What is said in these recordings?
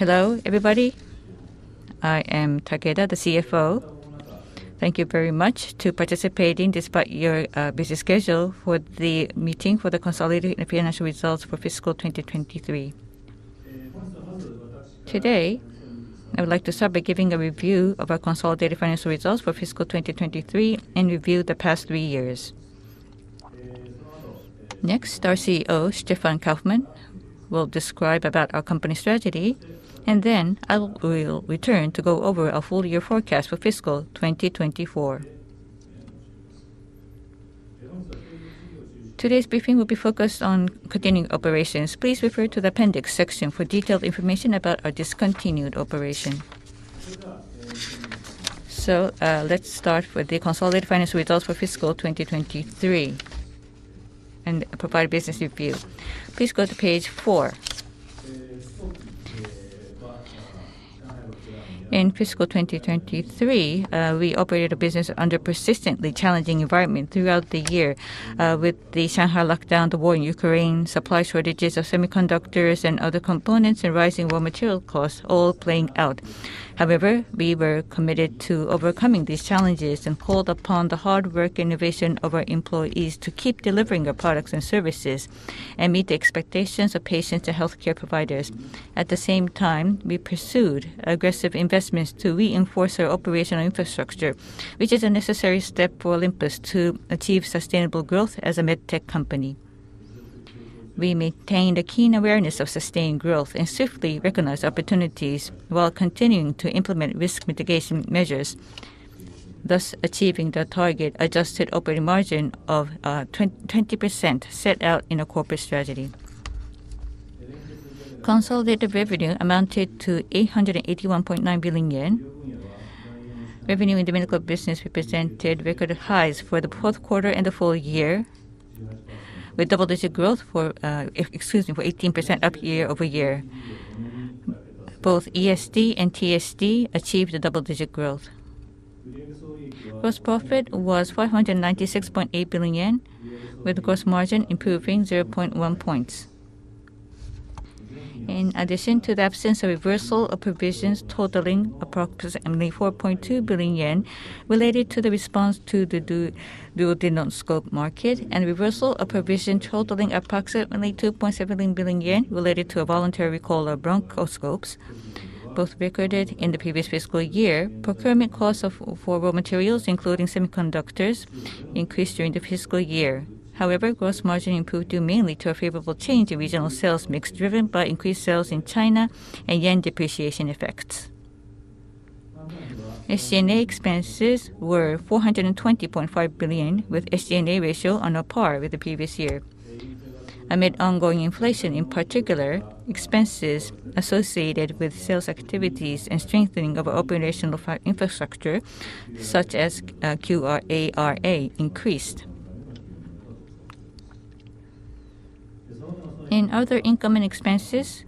Hello, everybody. I am Takeda, the CFO. Thank you very much for participating despite your busy schedule for the meeting for the consolidated financial results for fiscal 2023. Today, I would like to start by giving a review of our consolidated financial results for fiscal 2023 and review the past three years. Next, our CEO, Stefan Kaufmann, will describe our company's strategy, and then I will return to go over our full-year forecast for fiscal 2024. Today's briefing will be focused on continuing operations. Please refer to the appendix section for detailed information about our discontinued operation, so let's start with the consolidated financial results for fiscal 2023 and provide a business review. Please go to page four. In fiscal 2023, we operated a business under a persistently challenging environment throughout the year with the Shanghai lockdown, the war in Ukraine, supply shortages of semiconductors and other components, and rising raw material costs, all playing out. However, we were committed to overcoming these challenges and called upon the hard work and innovation of our employees to keep delivering our products and services and meet the expectations of patients and healthcare providers. At the same time, we pursued aggressive investments to reinforce our operational infrastructure, which is a necessary step for Olympus to achieve sustainable growth as a medtech company. We maintained a keen awareness of sustained growth and swiftly recognized opportunities while continuing to implement risk mitigation measures, thus achieving the target adjusted operating margin of 20% set out in our corporate strategy. Consolidated revenue amounted to 881.9 billion yen. Revenue in the medical business represented record highs for the fourth quarter and the full year, with double-digit growth for 18% year-over-year. Both ESD and TSD achieved double-digit growth. Gross profit was 596.8 billion yen, with gross margin improving 0.1 points. In addition to the absence of reversal of provisions, totaling approximately 4.2 billion yen related to the response to the duodenoscope market, and reversal of provisions totaling approximately 2.7 billion yen related to a voluntary recall of bronchoscopes, both recorded in the previous fiscal year, procurement costs for raw materials, including semiconductors, increased during the fiscal year. However, gross margin improved due mainly to a favorable change in regional sales mix driven by increased sales in China and yen depreciation effects. SG&A expenses were 420.5 billion, with SG&A ratio on par with the previous year. Amid ongoing inflation, in particular, expenses associated with sales activities and strengthening of our operational infrastructure, such as QA-RA, increased. In other incoming expenses,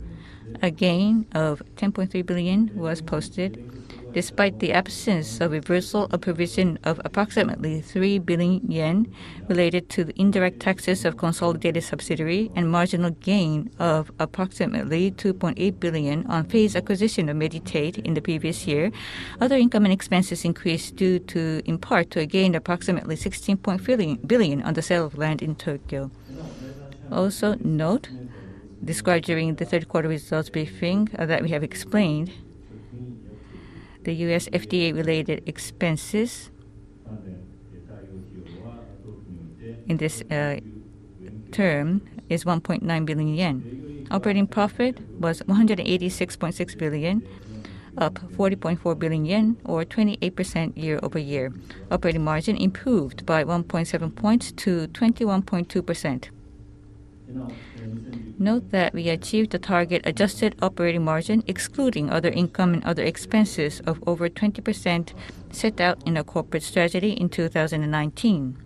a gain of 10.3 billion was posted. Despite the absence of reversal of provision of approximately 3 billion yen related to the indirect taxes of consolidated subsidiary and marginal gain of approximately 2.8 billion on phased acquisition of Medi-Tate in the previous year, other incoming expenses increased due to, in part, a gain of approximately 16.4 billion on the sale of land in Tokyo. Also note, described during the third-quarter results briefing that we have explained the U.S. FDA-related expenses in this term is 1.9 billion yen. Operating profit was 186.6 billion, up 40.4 billion yen, or 28% year-over-year. Operating margin improved by 1.7 points to 21.2%. Note that we achieved the target adjusted operating margin, excluding other income and other expenses of over 20% set out in our corporate strategy in 2019.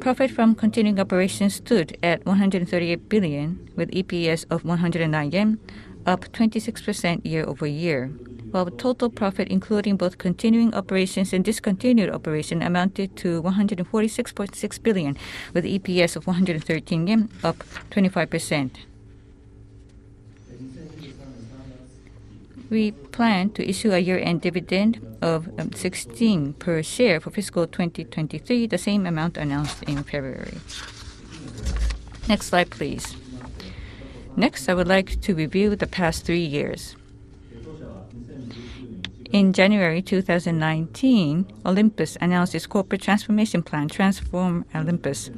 Profit from continuing operations stood at 138 billion, with EPS of 109 yen, up 26% year-over-year, while total profit, including both continuing operations and discontinued operation, amounted to 146.6 billion, with EPS of 113 yen, up 25%. We plan to issue a year-end dividend of 16 per share for fiscal 2023, the same amount announced in February. Next slide, please. Next, I would like to review the past three years. In January 2019, Olympus announced its corporate transformation plan, Transform Olympus.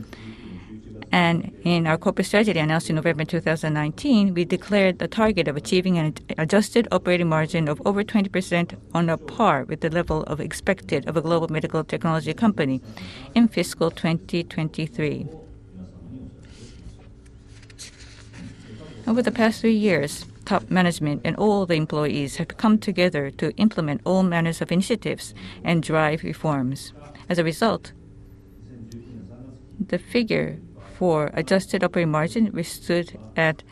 And in our corporate strategy announced in November 2019, we declared the target of achieving an adjusted operating margin of over 20% on par with the level expected of a global medical technology company in fiscal 2023. Over the past three years, top management and all the employees have come together to implement all manners of initiatives and drive reforms. As a result, the figure for adjusted operating margin which stood at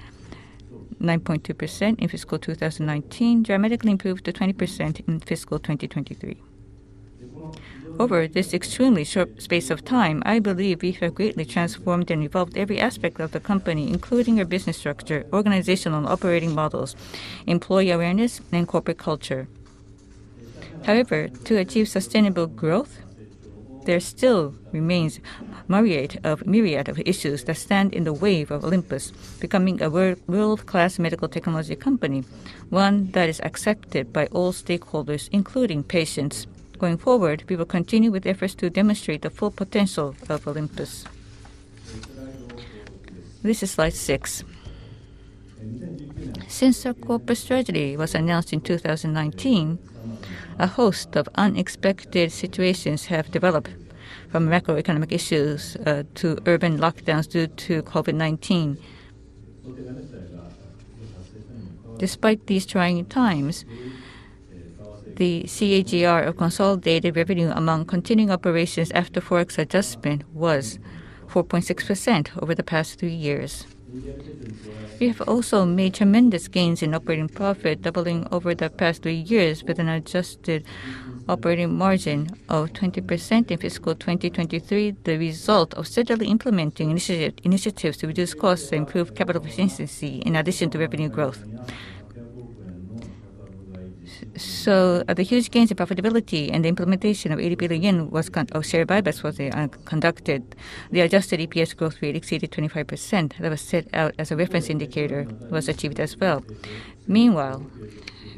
9.2% in fiscal 2019 dramatically improved to 20% in fiscal 2023. Over this extremely short space of time, I believe we have greatly transformed and evolved every aspect of the company, including our business structure, organizational and operating models, employee awareness, and corporate culture. However, to achieve sustainable growth, there still remains a myriad of issues that stand in the way of Olympus becoming a world-class medical technology company, one that is accepted by all stakeholders, including patients. Going forward, we will continue with efforts to demonstrate the full potential of Olympus. This is slide six. Since our corporate strategy was announced in 2019, a host of unexpected situations have developed, from macroeconomic issues to urban lockdowns due to COVID-19. Despite these trying times, the CAGR of consolidated revenue among continuing operations after forex adjustment was 4.6% over the past three years. We have also made tremendous gains in operating profit, doubling over the past three years with an adjusted operating margin of 20% in fiscal 2023, the result of steadily implementing initiatives to reduce costs and improve capital efficiency in addition to revenue growth, so the huge gains in profitability and the implementation of 80 billion JPY in share buybacks were conducted. The adjusted EPS growth rate exceeded 25% that was set out as a reference indicator, was achieved as well. Meanwhile,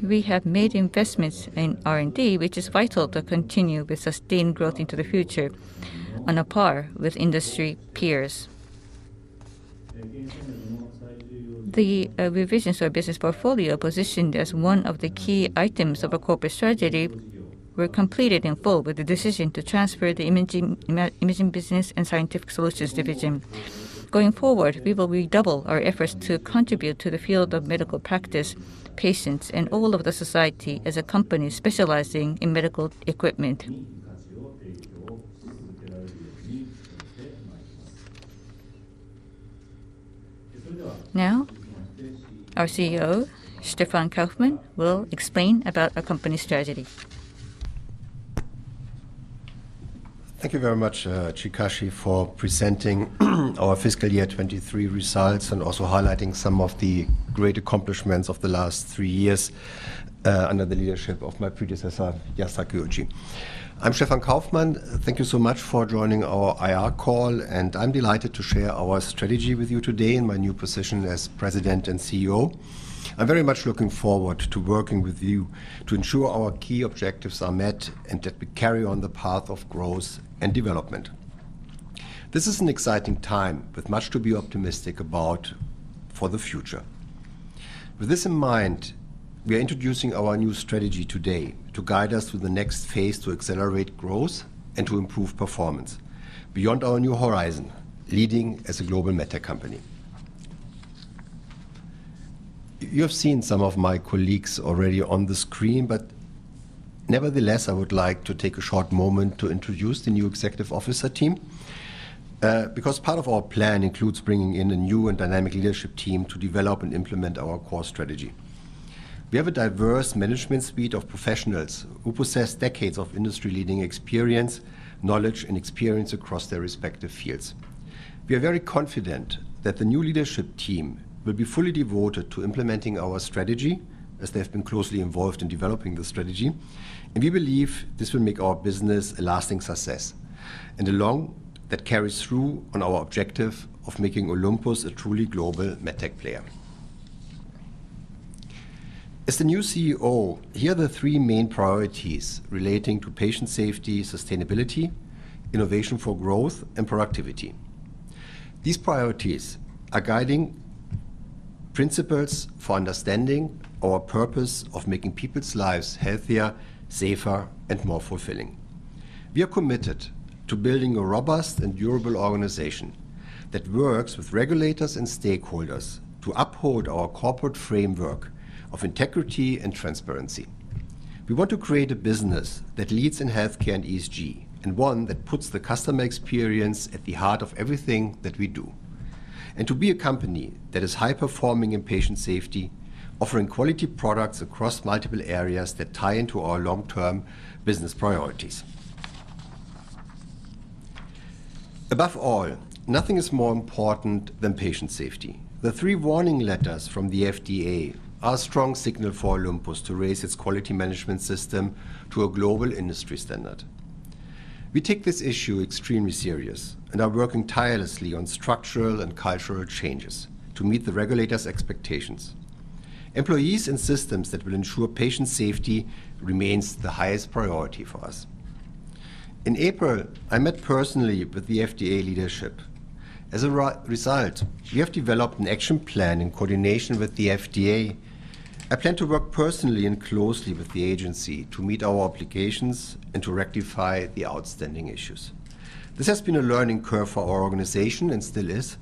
we have made investments in R&D, which is vital to continue with sustained growth into the future on a par with industry peers. The revisions to our business portfolio, positioned as one of the key items of our corporate strategy, were completed in full with the decision to transfer the imaging business and scientific solutions division. Going forward, we will redouble our efforts to contribute to the field of medical practice, patients, and all of the society as a company specializing in medical equipment. Now, our CEO, Stefan Kaufmann, will explain about our company's strategy. Thank you very much, Chikashi, for presenting our fiscal year 2023 results and also highlighting some of the great accomplishments of the last three years under the leadership of my predecessor, Yasuo Takeuchi. I'm Stefan Kaufmann. Thank you so much for joining our IR call, and I'm delighted to share our strategy with you today in my new position as president and CEO. I'm very much looking forward to working with you to ensure our key objectives are met and that we carry on the path of growth and development. This is an exciting time with much to be optimistic about for the future. With this in mind, we are introducing our new strategy today to guide us through the next phase to accelerate growth and to improve performance beyond our new horizon, leading as a global medtech company. You have seen some of my colleagues already on the screen, but nevertheless, I would like to take a short moment to introduce the new executive officer team because part of our plan includes bringing in a new and dynamic leadership team to develop and implement our core strategy. We have a diverse management suite of professionals who possess decades of industry-leading experience, knowledge, and experience across their respective fields. We are very confident that the new leadership team will be fully devoted to implementing our strategy as they have been closely involved in developing the strategy, and we believe this will make our business a lasting success and a long-term commitment that carries through on our objective of making Olympus a truly global medtech player. As the new CEO, here are the three main priorities relating to patient safety, sustainability, innovation for growth, and productivity. These priorities are guiding principles for understanding our purpose of making people's lives healthier, safer, and more fulfilling. We are committed to building a robust and durable organization that works with regulators and stakeholders to uphold our corporate framework of integrity and transparency. We want to create a business that leads in healthcare and ESG and one that puts the customer experience at the heart of everything that we do, and to be a company that is high-performing in patient safety, offering quality products across multiple areas that tie into our long-term business priorities. Above all, nothing is more important than patient safety. The three warning letters from the FDA are a strong signal for Olympus to raise its quality management system to a global industry standard. We take this issue extremely serious and are working tirelessly on structural and cultural changes to meet the regulators' expectations. Employees and systems that will ensure patient safety remain the highest priority for us. In April, I met personally with the FDA leadership. As a result, we have developed an action plan in coordination with the FDA. I plan to work personally and closely with the agency to meet our obligations and to rectify the outstanding issues. This has been a learning curve for our organization and still is,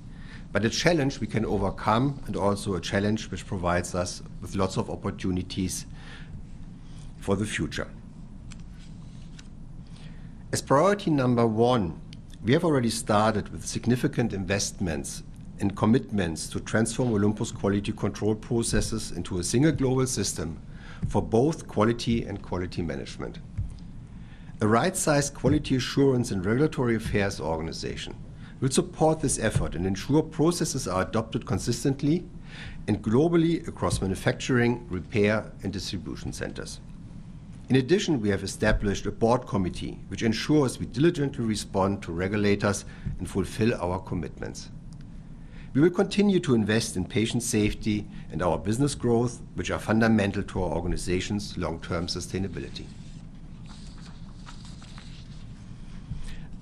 but a challenge we can overcome and also a challenge which provides us with lots of opportunities for the future. As priority number one, we have already started with significant investments and commitments to transform Olympus' quality control processes into a single global system for both quality and quality management. A right-sized quality assurance and regulatory affairs organization will support this effort and ensure processes are adopted consistently and globally across manufacturing, repair, and distribution centers. In addition, we have established a board committee which ensures we diligently respond to regulators and fulfill our commitments. We will continue to invest in patient safety and our business growth, which are fundamental to our organization's long-term sustainability.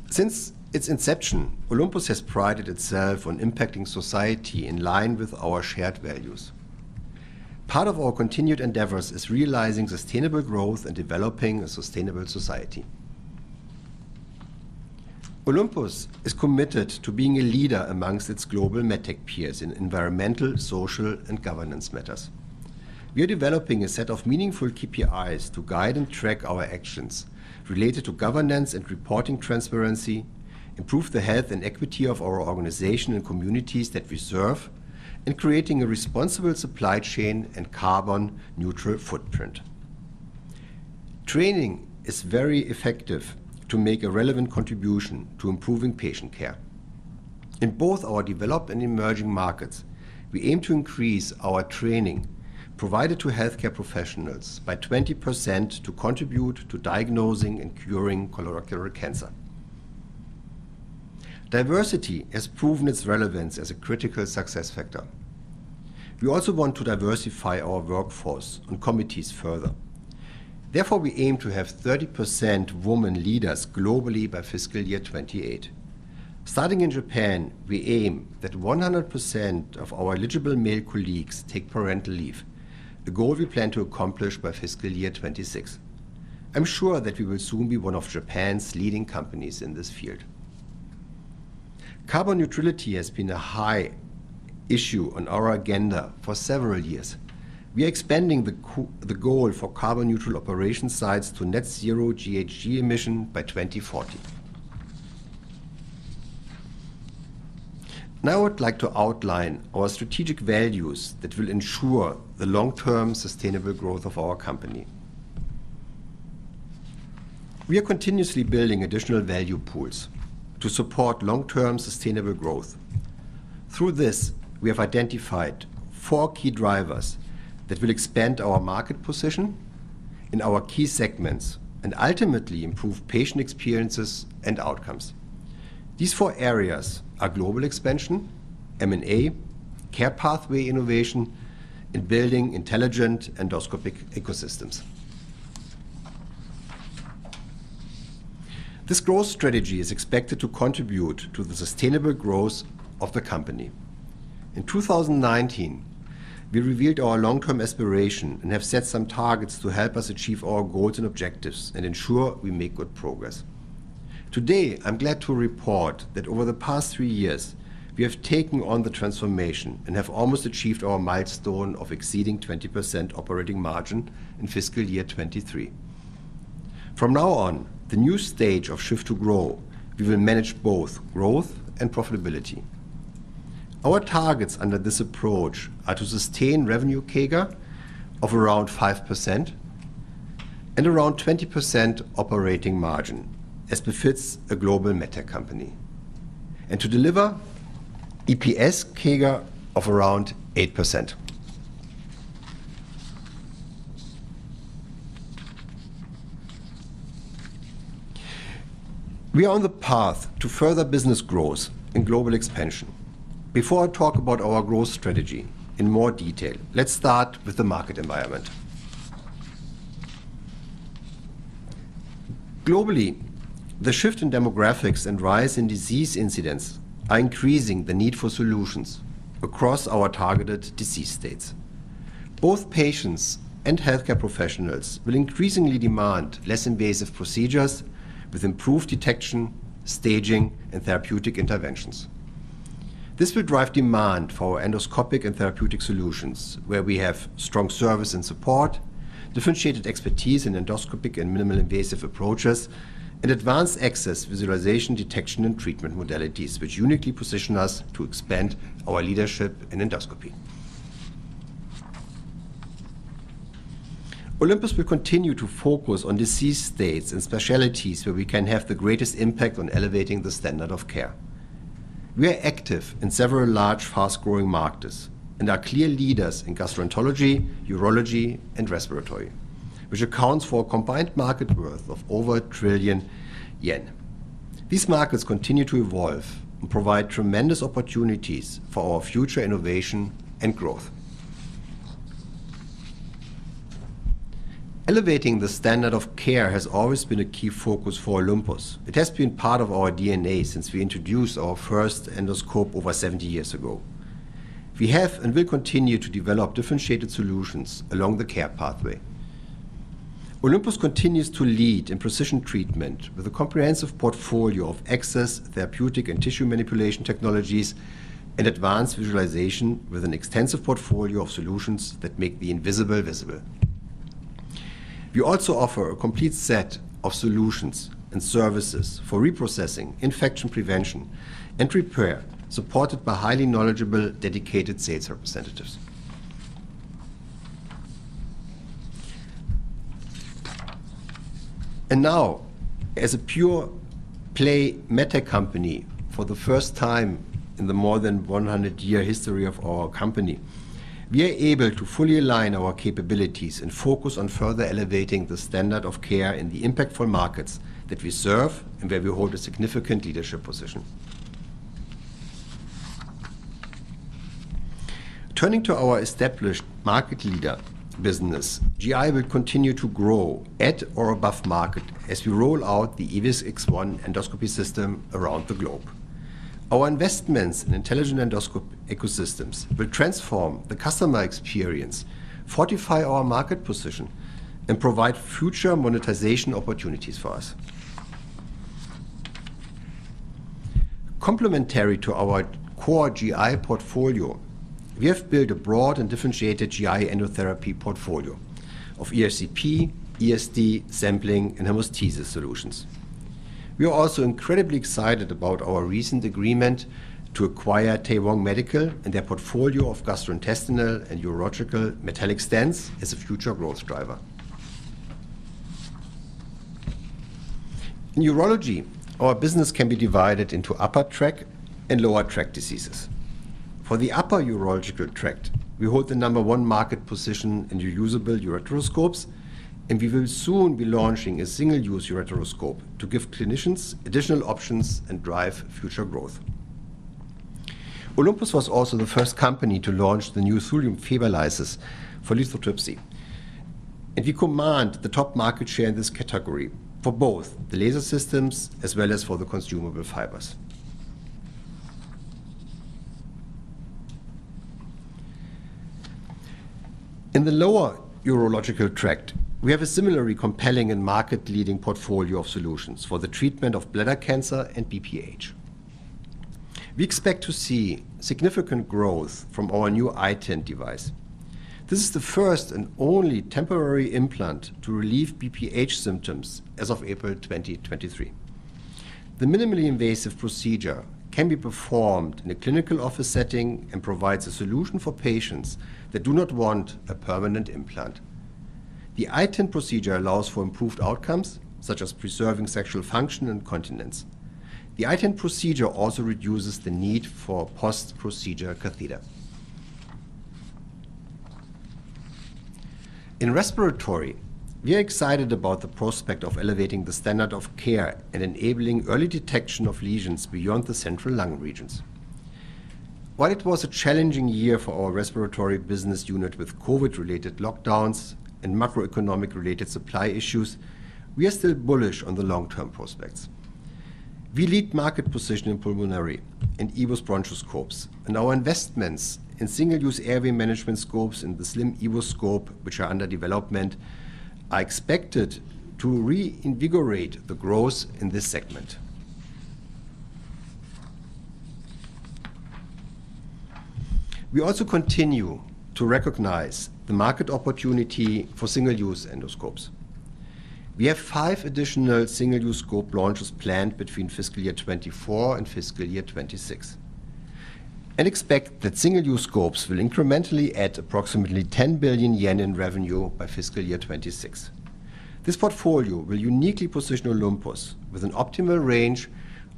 Since its inception, Olympus has prided itself on impacting society in line with our shared values. Part of our continued endeavors is realizing sustainable growth and developing a sustainable society. Olympus is committed to being a leader amongst its global medtech peers in environmental, social, and governance matters. We are developing a set of meaningful KPIs to guide and track our actions related to governance and reporting transparency, improve the health and equity of our organization and communities that we serve, and create a responsible supply chain and carbon-neutral footprint. Training is very effective to make a relevant contribution to improving patient care. In both our developed and emerging markets, we aim to increase our training provided to healthcare professionals by 20% to contribute to diagnosing and curing colorectal cancer. Diversity has proven its relevance as a critical success factor. We also want to diversify our workforce and committees further. Therefore, we aim to have 30% women leaders globally by fiscal year 2028. Starting in Japan, we aim that 100% of our eligible male colleagues take parental leave, a goal we plan to accomplish by fiscal year 2026. I'm sure that we will soon be one of Japan's leading companies in this field. Carbon neutrality has been a high issue on our agenda for several years. We are expanding the goal for carbon-neutral operation sites to net zero GHG emission by 2040. Now, I would like to outline our strategic values that will ensure the long-term sustainable growth of our company. We are continuously building additional value pools to support long-term sustainable growth. Through this, we have identified four key drivers that will expand our market position in our key segments and ultimately improve patient experiences and outcomes. These four areas are global expansion, M&A, care pathway innovation, and building intelligent endoscopic ecosystems. This growth strategy is expected to contribute to the sustainable growth of the company. In 2019, we revealed our long-term aspiration and have set some targets to help us achieve our goals and objectives and ensure we make good progress. Today, I'm glad to report that over the past three years, we have taken on the transformation and have almost achieved our milestone of exceeding 20% operating margin in fiscal year 2023. From now on, the new stage of Shift to Grow, we will manage both growth and profitability. Our targets under this approach are to sustain revenue CAGR of around 5% and around 20% operating margin as befits a global medtech company and to deliver EPS CAGR of around 8%. We are on the path to further business growth and global expansion. Before I talk about our growth strategy in more detail, let's start with the market environment. Globally, the shift in demographics and rise in disease incidents are increasing the need for solutions across our targeted disease states. Both patients and healthcare professionals will increasingly demand less invasive procedures with improved detection, staging, and therapeutic interventions. This will drive demand for endoscopic and therapeutic solutions where we have strong service and support, differentiated expertise in endoscopic and minimal invasive approaches, and advanced access visualization, detection, and treatment modalities, which uniquely position us to expand our leadership in endoscopy. Olympus will continue to focus on disease states and specialties where we can have the greatest impact on elevating the standard of care. We are active in several large fast-growing markets and are clear leaders in gastroenterology, urology, and respiratory, which accounts for a combined market worth of over 1 trillion yen. These markets continue to evolve and provide tremendous opportunities for our future innovation and growth. Elevating the standard of care has always been a key focus for Olympus. It has been part of our DNA since we introduced our first endoscope over 70 years ago. We have and will continue to develop differentiated solutions along the care pathway. Olympus continues to lead in precision treatment with a comprehensive portfolio of access, therapeutic, and tissue manipulation technologies and advanced visualization with an extensive portfolio of solutions that make the invisible visible. We also offer a complete set of solutions and services for reprocessing, infection prevention, and repair supported by highly knowledgeable dedicated sales representatives, and now, as a pure-play medtech company for the first time in the more than 100-year history of our company, we are able to fully align our capabilities and focus on further elevating the standard of care in the impactful markets that we serve and where we hold a significant leadership position. Turning to our established market leader business, GI will continue to grow at or above market as we roll out the EVIS X1 endoscopy system around the globe. Our investments in intelligent endoscopy ecosystems will transform the customer experience, fortify our market position, and provide future monetization opportunities for us. Complementary to our core GI portfolio, we have built a broad and differentiated GI endotherapy portfolio of ERCP, ESD, sampling, and hemostasis solutions. We are also incredibly excited about our recent agreement to acquire Taewoong Medical and their portfolio of gastrointestinal and urological metallic stents as a future growth driver. In urology, our business can be divided into upper tract and lower tract diseases. For the upper urological tract, we hold the number one market position in reusable ureteroscopes, and we will soon be launching a single-use ureteroscope to give clinicians additional options and drive future growth. Olympus was also the first company to launch the new Thulium fiber laser for lithotripsy, and we command the top market share in this category for both the laser systems as well as for the consumable fibers. In the lower urological tract, we have a similarly compelling and market-leading portfolio of solutions for the treatment of bladder cancer and BPH. We expect to see significant growth from our new iTind device. This is the first and only temporary implant to relieve BPH symptoms as of April 2023. The minimally invasive procedure can be performed in a clinical office setting and provides a solution for patients that do not want a permanent implant. The iTind procedure allows for improved outcomes such as preserving sexual function and continence. The iTind procedure also reduces the need for post-procedure catheter. In respiratory, we are excited about the prospect of elevating the standard of care and enabling early detection of lesions beyond the central lung regions. While it was a challenging year for our respiratory business unit with COVID-related lockdowns and macroeconomic-related supply issues, we are still bullish on the long-term prospects. We lead market position in pulmonary and EVIS bronchoscopes, and our investments in single-use airway management scopes and the Slim EVIS scope, which are under development, are expected to reinvigorate the growth in this segment. We also continue to recognize the market opportunity for single-use endoscopes. We have five additional single-use scope launches planned between fiscal year 2024 and fiscal year 2026. I expect that single-use scopes will incrementally add approximately 10 billion yen in revenue by fiscal year 2026. This portfolio will uniquely position Olympus with an optimal range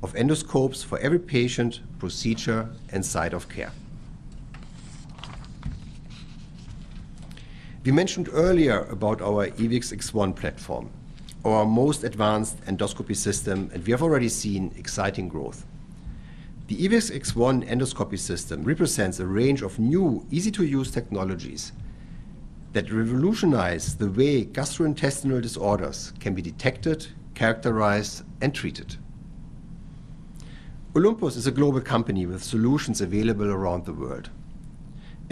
of endoscopes for every patient, procedure, and site of care. We mentioned earlier about our EVIS X1 platform, our most advanced endoscopy system, and we have already seen exciting growth. The EVIS X1 endoscopy system represents a range of new, easy-to-use technologies that revolutionize the way gastrointestinal disorders can be detected, characterized, and treated. Olympus is a global company with solutions available around the world.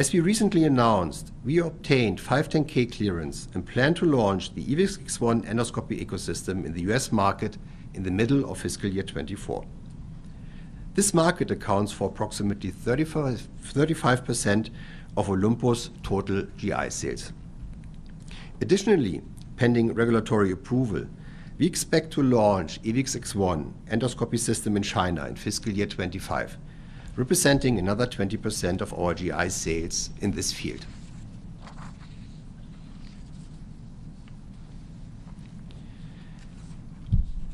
As we recently announced, we obtained 510(k) clearance and plan to launch the EVIS X1 endoscopy ecosystem in the U.S. market in the middle of fiscal year 2024. This market accounts for approximately 35% of Olympus' total GI sales. Additionally, pending regulatory approval, we expect to launch EVIS X1 endoscopy system in China in fiscal year 2025, representing another 20% of our GI sales in this field.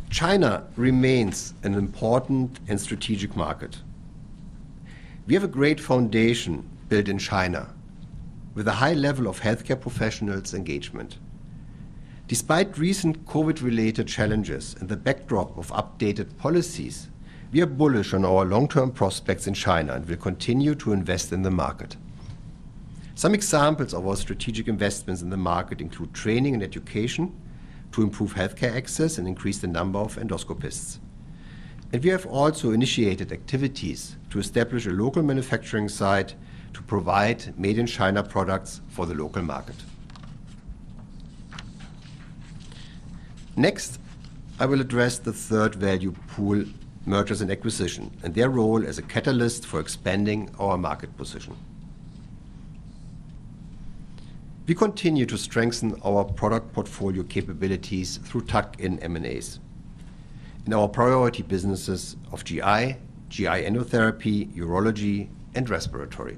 China remains an important and strategic market. We have a great foundation built in China with a high level of healthcare professionals' engagement. Despite recent COVID-related challenges and the backdrop of updated policies, we are bullish on our long-term prospects in China and will continue to invest in the market. Some examples of our strategic investments in the market include training and education to improve healthcare access and increase the number of endoscopists. And we have also initiated activities to establish a local manufacturing site to provide made-in-China products for the local market. Next, I will address the third value pool, mergers and acquisition, and their role as a catalyst for expanding our market position. We continue to strengthen our product portfolio capabilities through tuck-in M&As in our priority businesses of GI, GI endotherapy, urology, and respiratory.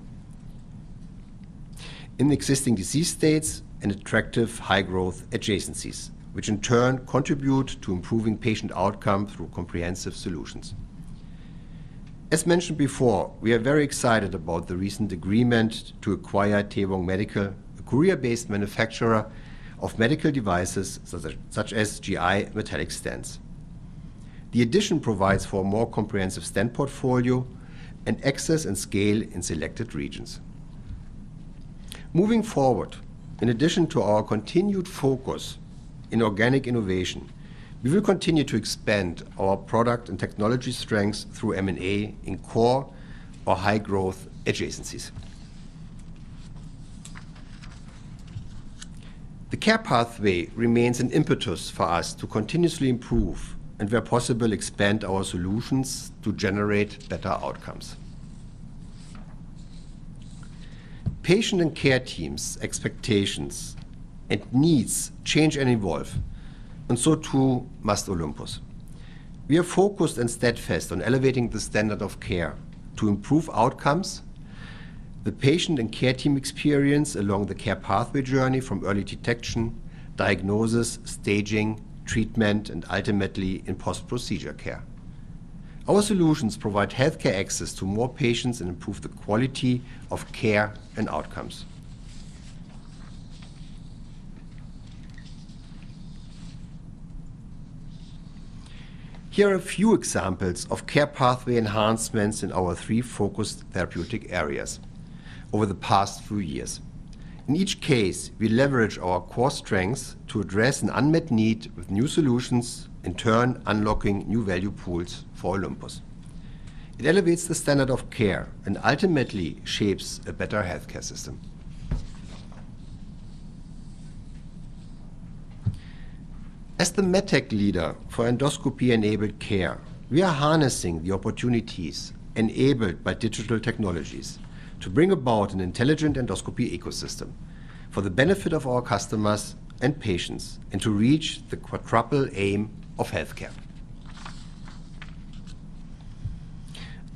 In existing disease states and attractive high-growth adjacencies, which in turn contribute to improving patient outcomes through comprehensive solutions. As mentioned before, we are very excited about the recent agreement to acquire Taewoong Medical, a Korea-based manufacturer of medical devices such as GI metallic stents. The addition provides for a more comprehensive stent portfolio and access and scale in selected regions. Moving forward, in addition to our continued focus in organic innovation, we will continue to expand our product and technology strengths through M&A in core or high-growth adjacencies. The care pathway remains an impetus for us to continuously improve and, where possible, expand our solutions to generate better outcomes. Patient and care teams' expectations and needs change and evolve, and so too must Olympus. We are focused and steadfast on elevating the standard of care to improve outcomes, the patient and care team experience along the care pathway journey from early detection, diagnosis, staging, treatment, and ultimately in post-procedure care. Our solutions provide healthcare access to more patients and improve the quality of care and outcomes. Here are a few examples of care pathway enhancements in our three focused therapeutic areas over the past few years. In each case, we leverage our core strengths to address an unmet need with new solutions, in turn unlocking new value pools for Olympus. It elevates the standard of care and ultimately shapes a better healthcare system. As the medtech leader for endoscopy-enabled care, we are harnessing the opportunities enabled by digital technologies to bring about an intelligent endoscopy ecosystem for the benefit of our customers and patients and to reach the quadruple aim of healthcare.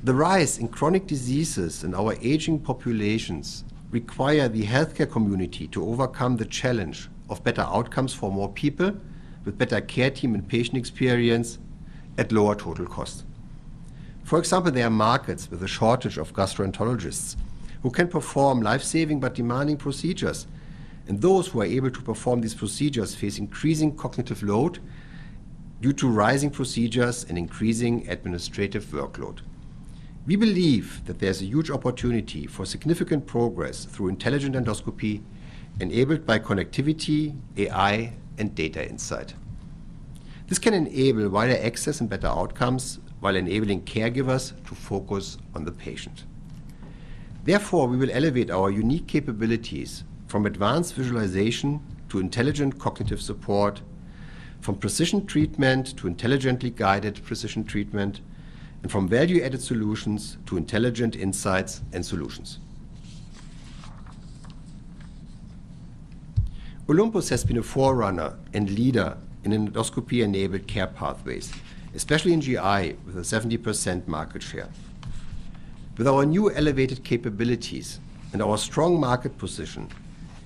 The rise in chronic diseases in our aging populations requires the healthcare community to overcome the challenge of better outcomes for more people with better care team and patient experience at lower total cost. For example, there are markets with a shortage of gastroenterologists who can perform lifesaving but demanding procedures, and those who are able to perform these procedures face increasing cognitive load due to rising procedures and increasing administrative workload. We believe that there's a huge opportunity for significant progress through intelligent endoscopy enabled by connectivity, AI, and data insight. This can enable wider access and better outcomes while enabling caregivers to focus on the patient. Therefore, we will elevate our unique capabilities from advanced visualization to intelligent cognitive support, from precision treatment to intelligently guided precision treatment, and from value-added solutions to intelligent insights and solutions. Olympus has been a forerunner and leader in endoscopy-enabled care pathways, especially in GI with a 70% market share. With our new elevated capabilities and our strong market position,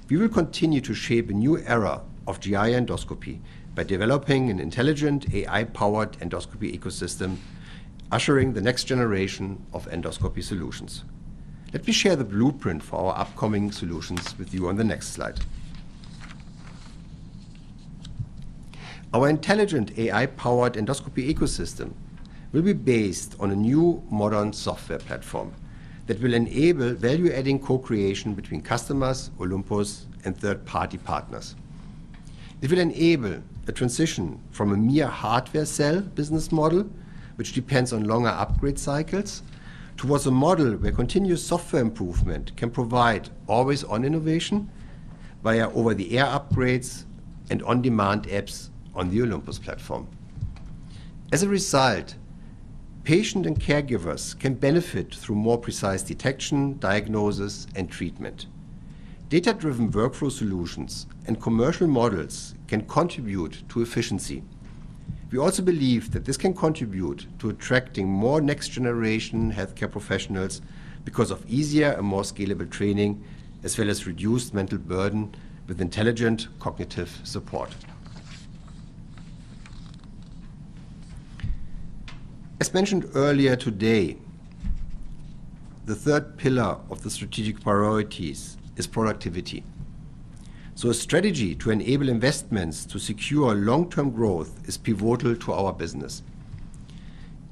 we will continue to shape a new era of GI endoscopy by developing an intelligent AI-powered endoscopy ecosystem, ushering the next generation of endoscopy solutions. Let me share the blueprint for our upcoming solutions with you on the next slide. Our intelligent AI-powered endoscopy ecosystem will be based on a new modern software platform that will enable value-adding co-creation between customers, Olympus, and third-party partners. It will enable a transition from a mere hardware sell business model, which depends on longer upgrade cycles, towards a model where continuous software improvement can provide always-on innovation via over-the-air upgrades and on-demand apps on the Olympus platform. As a result, patient and caregivers can benefit through more precise detection, diagnosis, and treatment. Data-driven workflow solutions and commercial models can contribute to efficiency. We also believe that this can contribute to attracting more next-generation healthcare professionals because of easier and more scalable training, as well as reduced mental burden with intelligent cognitive support. As mentioned earlier today, the third pillar of the strategic priorities is productivity, so a strategy to enable investments to secure long-term growth is pivotal to our business.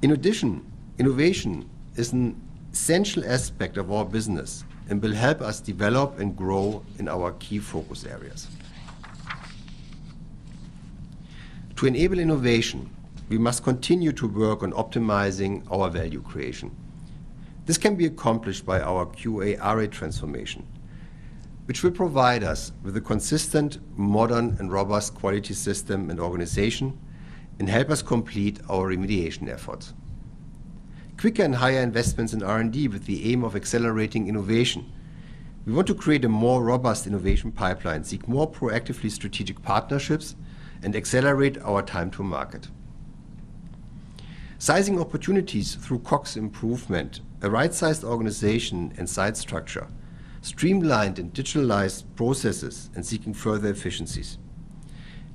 In addition, innovation is an essential aspect of our business and will help us develop and grow in our key focus areas. To enable innovation, we must continue to work on optimizing our value creation. This can be accomplished by our QA-RA transformation, which will provide us with a consistent, modern, and robust quality system and organization and help us complete our remediation efforts, quicker and higher investments in R&D with the aim of accelerating innovation. We want to create a more robust innovation pipeline, seek more proactively strategic partnerships, and accelerate our time to market. Seizing opportunities through cost improvement, a right-sized organization and site structure, streamlined and digitalized processes, and seeking further efficiencies.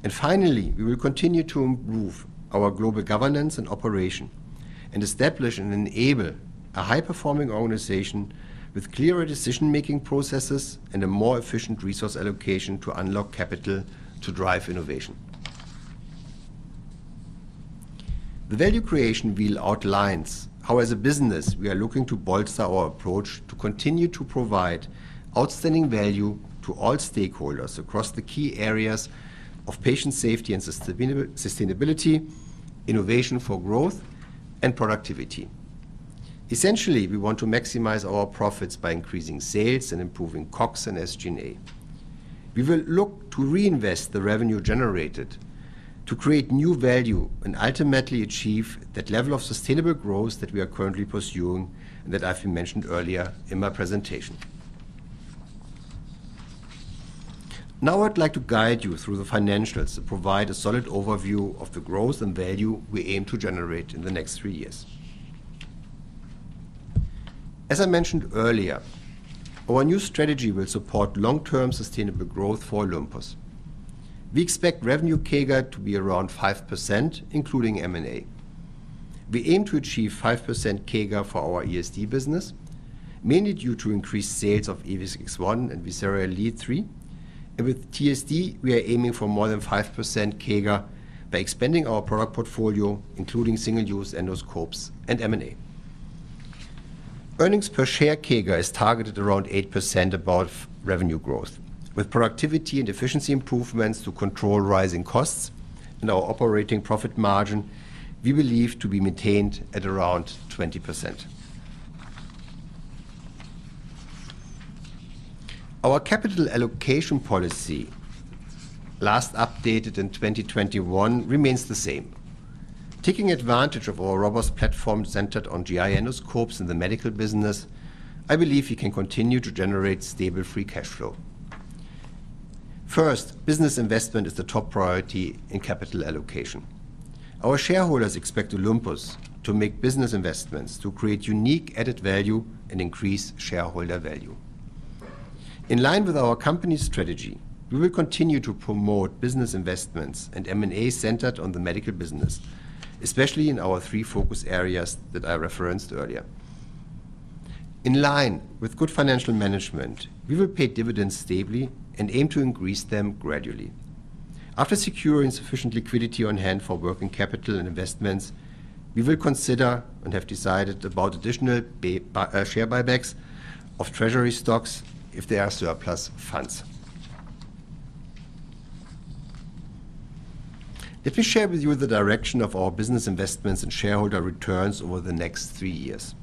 Finally, we will continue to improve our global governance and operation and establish and enable a high-performing organization with clearer decision-making processes and a more efficient resource allocation to unlock capital to drive innovation. The value creation wheel outlines how, as a business, we are looking to bolster our approach to continue to provide outstanding value to all stakeholders across the key areas of patient safety and sustainability, innovation for growth, and productivity. Essentially, we want to maximize our profits by increasing sales and improving COGS and SG&A. We will look to reinvest the revenue generated to create new value and ultimately achieve that level of sustainable growth that we are currently pursuing and that I've mentioned earlier in my presentation. Now, I'd like to guide you through the financials to provide a solid overview of the growth and value we aim to generate in the next three years. As I mentioned earlier, our new strategy will support long-term sustainable growth for Olympus. We expect revenue CAGR to be around 5%, including M&A. We aim to achieve 5% CAGR for our ESD business, mainly due to increased sales of EVIS X1 and VISERA ELITE III. With TSD, we are aiming for more than 5% CAGR by expanding our product portfolio, including single-use endoscopes and M&A. Earnings per share CAGR is targeted around 8% above revenue growth. With productivity and efficiency improvements to control rising costs and our operating profit margin, we believe to be maintained at around 20%. Our capital allocation policy, last updated in 2021, remains the same. Taking advantage of our robust platform centered on GI endoscopes in the medical business, I believe we can continue to generate stable free cash flow. First, business investment is the top priority in capital allocation. Our shareholders expect Olympus to make business investments to create unique added value and increase shareholder value. In line with our company's strategy, we will continue to promote business investments and M&A centered on the medical business, especially in our three focus areas that I referenced earlier. In line with good financial management, we will pay dividends stably and aim to increase them gradually. After securing sufficient liquidity on hand for working capital and investments, we will consider and have decided about additional share buybacks of treasury stocks if there are surplus funds. Let me share with you the direction of our business investments and shareholder returns over the next three years.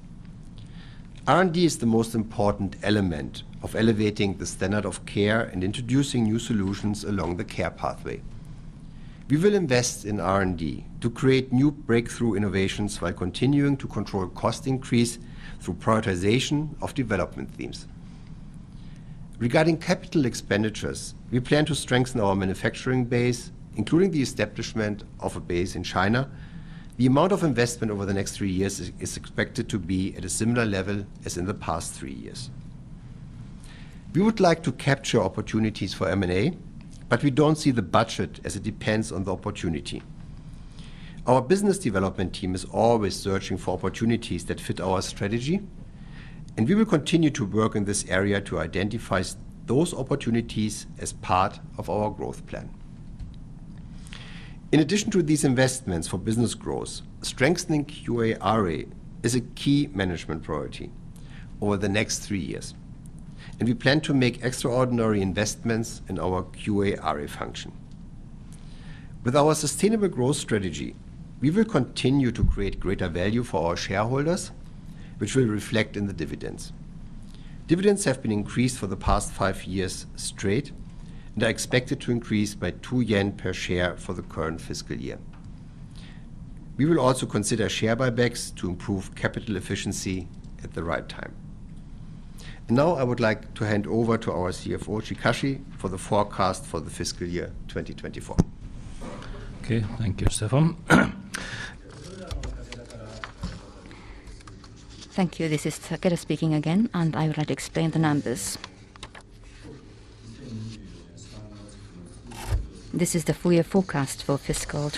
R&D is the most important element of elevating the standard of care and introducing new solutions along the care pathway. We will invest in R&D to create new breakthrough innovations while continuing to control cost increase through prioritization of development themes. Regarding capital expenditures, we plan to strengthen our manufacturing base, including the establishment of a base in China. The amount of investment over the next three years is expected to be at a similar level as in the past three years. We would like to capture opportunities for M&A, but we don't see the budget as it depends on the opportunity. Our business development team is always searching for opportunities that fit our strategy, and we will continue to work in this area to identify those opportunities as part of our growth plan. In addition to these investments for business growth, strengthening QA-RA is a key management priority over the next three years, and we plan to make extraordinary investments in our QA-RA function. With our sustainable growth strategy, we will continue to create greater value for our shareholders, which will reflect in the dividends. Dividends have been increased for the past five years straight and are expected to increase by 2 yen per share for the current fiscal year. We will also consider share buybacks to improve capital efficiency at the right time. Now, I would like to hand over to our CFO, Chikashi Takeda, for the forecast for the fiscal year 2024. Okay. Thank you, Stefan. Thank you. This is Takeda speaking again, and I would like to explain the numbers. This is the full year forecast for fiscal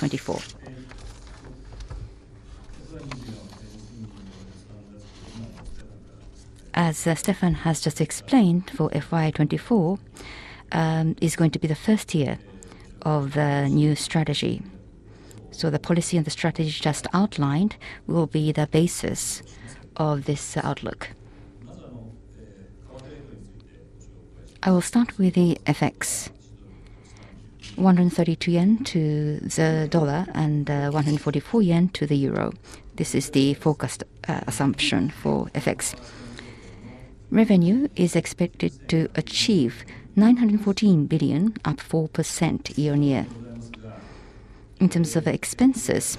24. As Stefan has just explained, for FY 24, it is going to be the first year of the new strategy. So the policy and the strategy just outlined will be the basis of this outlook. I will start with the FX. 132 yen to the USD and 144 JPY to the EUR. This is the forecast assumption for FX. Revenue is expected to achieve 914 billion, up 4% year-on-year. In terms of expenses,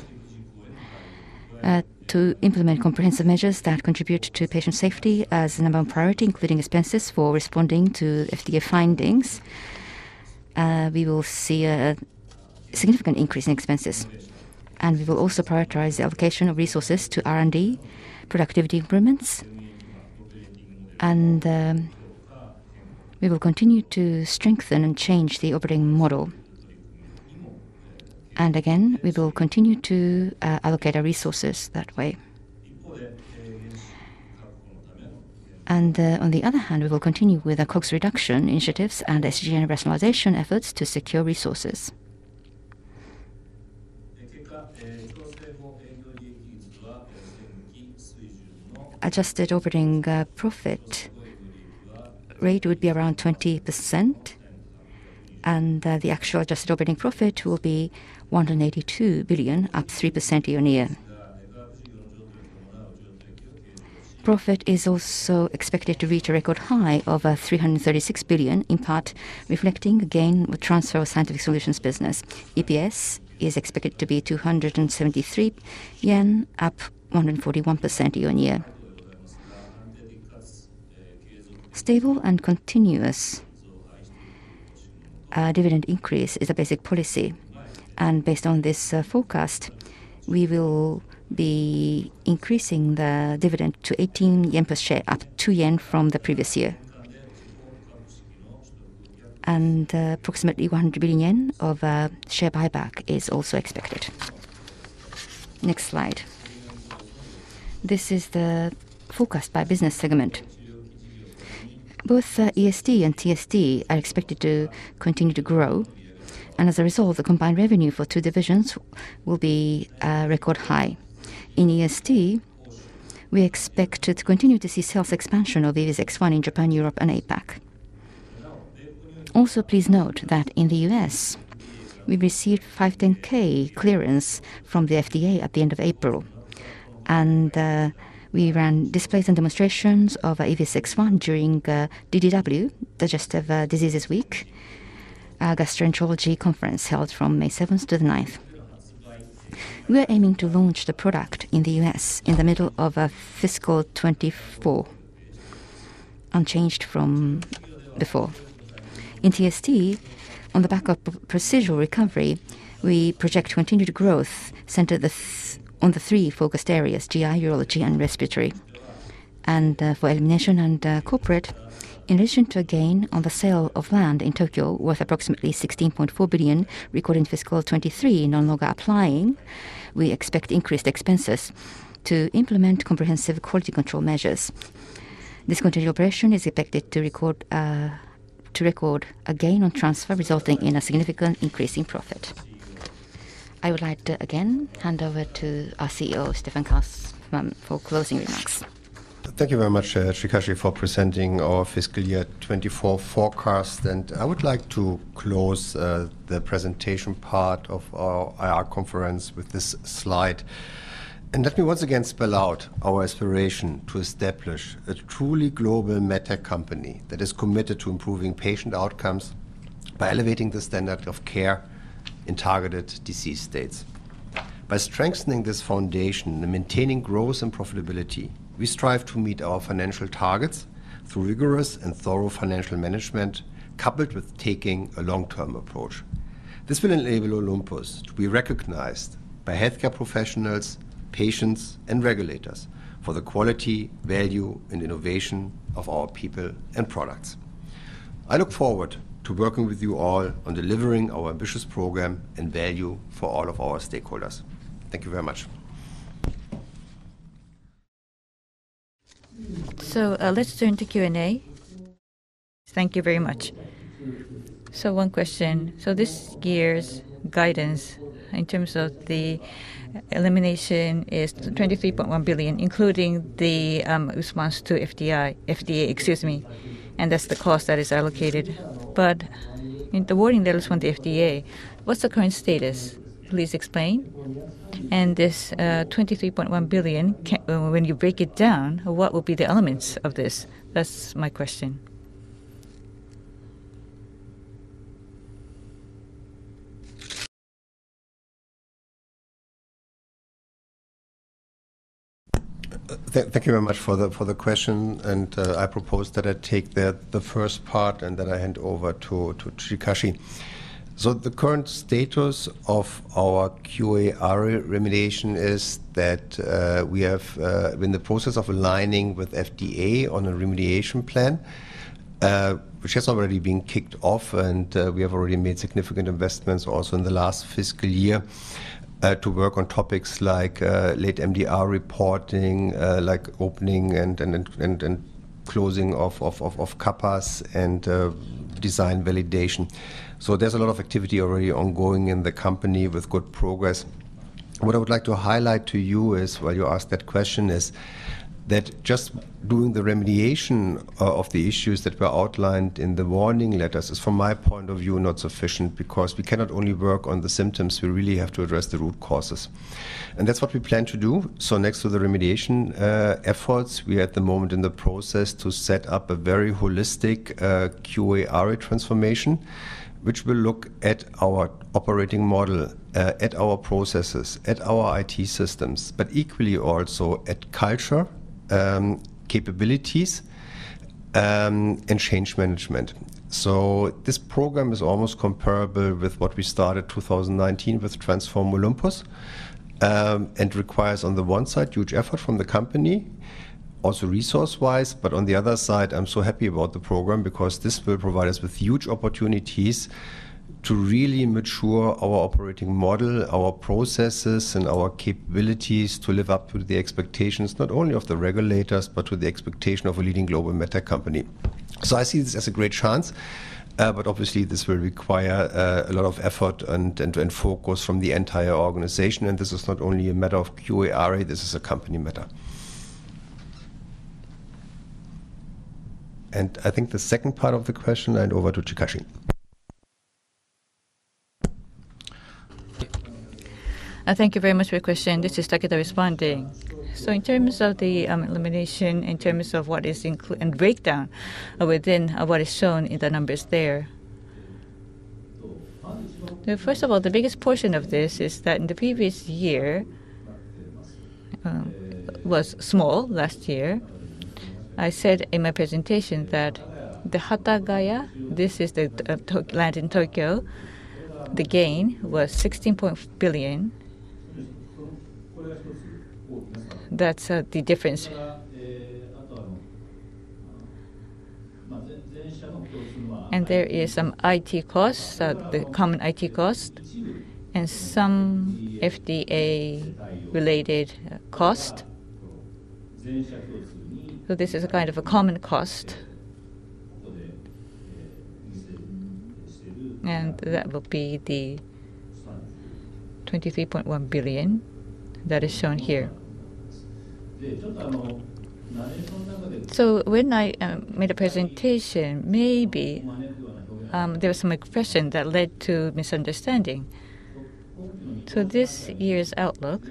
to implement comprehensive measures that contribute to patient safety as the number one priority, including expenses for responding to FDA findings, we will see a significant increase in expenses, and we will also prioritize the allocation of resources to R&D, productivity improvements, and we will continue to strengthen and change the operating model, and again, we will continue to allocate our resources that way, and on the other hand, we will continue with the cost reduction initiatives and SG&A rationalization efforts to secure resources. Adjusted operating profit rate would be around 20%, and the actual adjusted operating profit will be 182 billion, up 3% year-on-year. Profit is also expected to reach a record high of 336 billion, in part reflecting gain with transfer of scientific solutions business. EPS is expected to be 273 yen, up 141% year-on-year. Stable and continuous dividend increase is a basic policy, and based on this forecast, we will be increasing the dividend to 18 yen per share, up 2 yen from the previous year, and approximately 100 billion yen of share buyback is also expected. Next slide. This is the forecast by business segment. Both ESD and TSD are expected to continue to grow, and as a result, the combined revenue for two divisions will be record high. In ESD, we expect to continue to see sales expansion of EVIS X1 in Japan, Europe, and APAC. Also, please note that in the U.S., we received 510(k) clearance from the FDA at the end of April, and we ran displays and demonstrations of EVIS X1 during DDW, Digestive Disease Week, a gastroenterology conference held from May 7th to the 9th. We are aiming to launch the product in the US in the middle of fiscal 24, unchanged from before. In TSD, on the back of procedural recovery, we project continued growth centered on the three focused areas: GI, urology, and respiratory. And for elimination and corporate, in addition to a gain on the sale of land in Tokyo worth approximately 16.4 billion, recording fiscal 23 no longer applying, we expect increased expenses to implement comprehensive quality control measures. This continued operation is expected to record a gain on transfer, resulting in a significant increase in profit. I would like to again hand over to our CEO, Stefan Kaufmann, for closing remarks. Thank you very much, Chikashi, for presenting our fiscal year 24 forecast. And I would like to close the presentation part of our IR conference with this slide. Let me once again spell out our aspiration to establish a truly global Medtech company that is committed to improving patient outcomes by elevating the standard of care in targeted disease states. By strengthening this foundation and maintaining growth and profitability, we strive to meet our financial targets through rigorous and thorough financial management, coupled with taking a long-term approach. This will enable Olympus to be recognized by healthcare professionals, patients, and regulators for the quality, value, and innovation of our people and products. I look forward to working with you all on delivering our ambitious program and value for all of our stakeholders. Thank you very much. Let's turn to Q&A. Thank you very much. One question. This year's guidance in terms of the elimination is 23.1 billion, including the response to FDA, excuse me. And that's the cost that is allocated. But in the wording that is from the FDA, what's the current status? Please explain. And this 23.1 billion, when you break it down, what will be the elements of this? That's my question. Thank you very much for the question. And I propose that I take the first part and that I hand over to Chikashi. So the current status of our QA-RA remediation is that we have been in the process of aligning with FDA on a remediation plan, which has already been kicked off, and we have already made significant investments also in the last fiscal year to work on topics like late MDR reporting, like opening and closing of CAPAs, and design validation. So there's a lot of activity already ongoing in the company with good progress. What I would like to highlight to you is, while you ask that question, is that just doing the remediation of the issues that were outlined in the warning letters is, from my point of view, not sufficient because we cannot only work on the symptoms. We really have to address the root causes, and that's what we plan to do, so next to the remediation efforts, we are at the moment in the process to set up a very holistic QA-RA transformation, which will look at our operating model, at our processes, at our IT systems, but equally also at culture, capabilities, and change management, so this program is almost comparable with what we started 2019 with Transform Olympus and requires, on the one side, huge effort from the company, also resource-wise. But on the other side, I'm so happy about the program because this will provide us with huge opportunities to really mature our operating model, our processes, and our capabilities to live up to the expectations, not only of the regulators, but to the expectation of a leading global medtech company. So I see this as a great chance, but obviously, this will require a lot of effort and focus from the entire organization. And this is not only a matter of QA-RA. This is a company matter. And I think the second part of the question, I hand over to Chikashi. Thank you very much for your question. This is Takeda responding. So in terms of the elimination, in terms of what is included and breakdown within what is shown in the numbers there. First of all, the biggest portion of this is that in the previous year was small last year. I said in my presentation that the Hatagaya, this is the land in Tokyo, the gain was JPY 16.4 billion. That's the difference, and there is some IT cost, the common IT cost, and some FDA-related cost, so this is a kind of a common cost, and that will be the 23.1 billion that is shown here, so when I made a presentation, maybe there were some questions that led to misunderstanding, so this year's outlook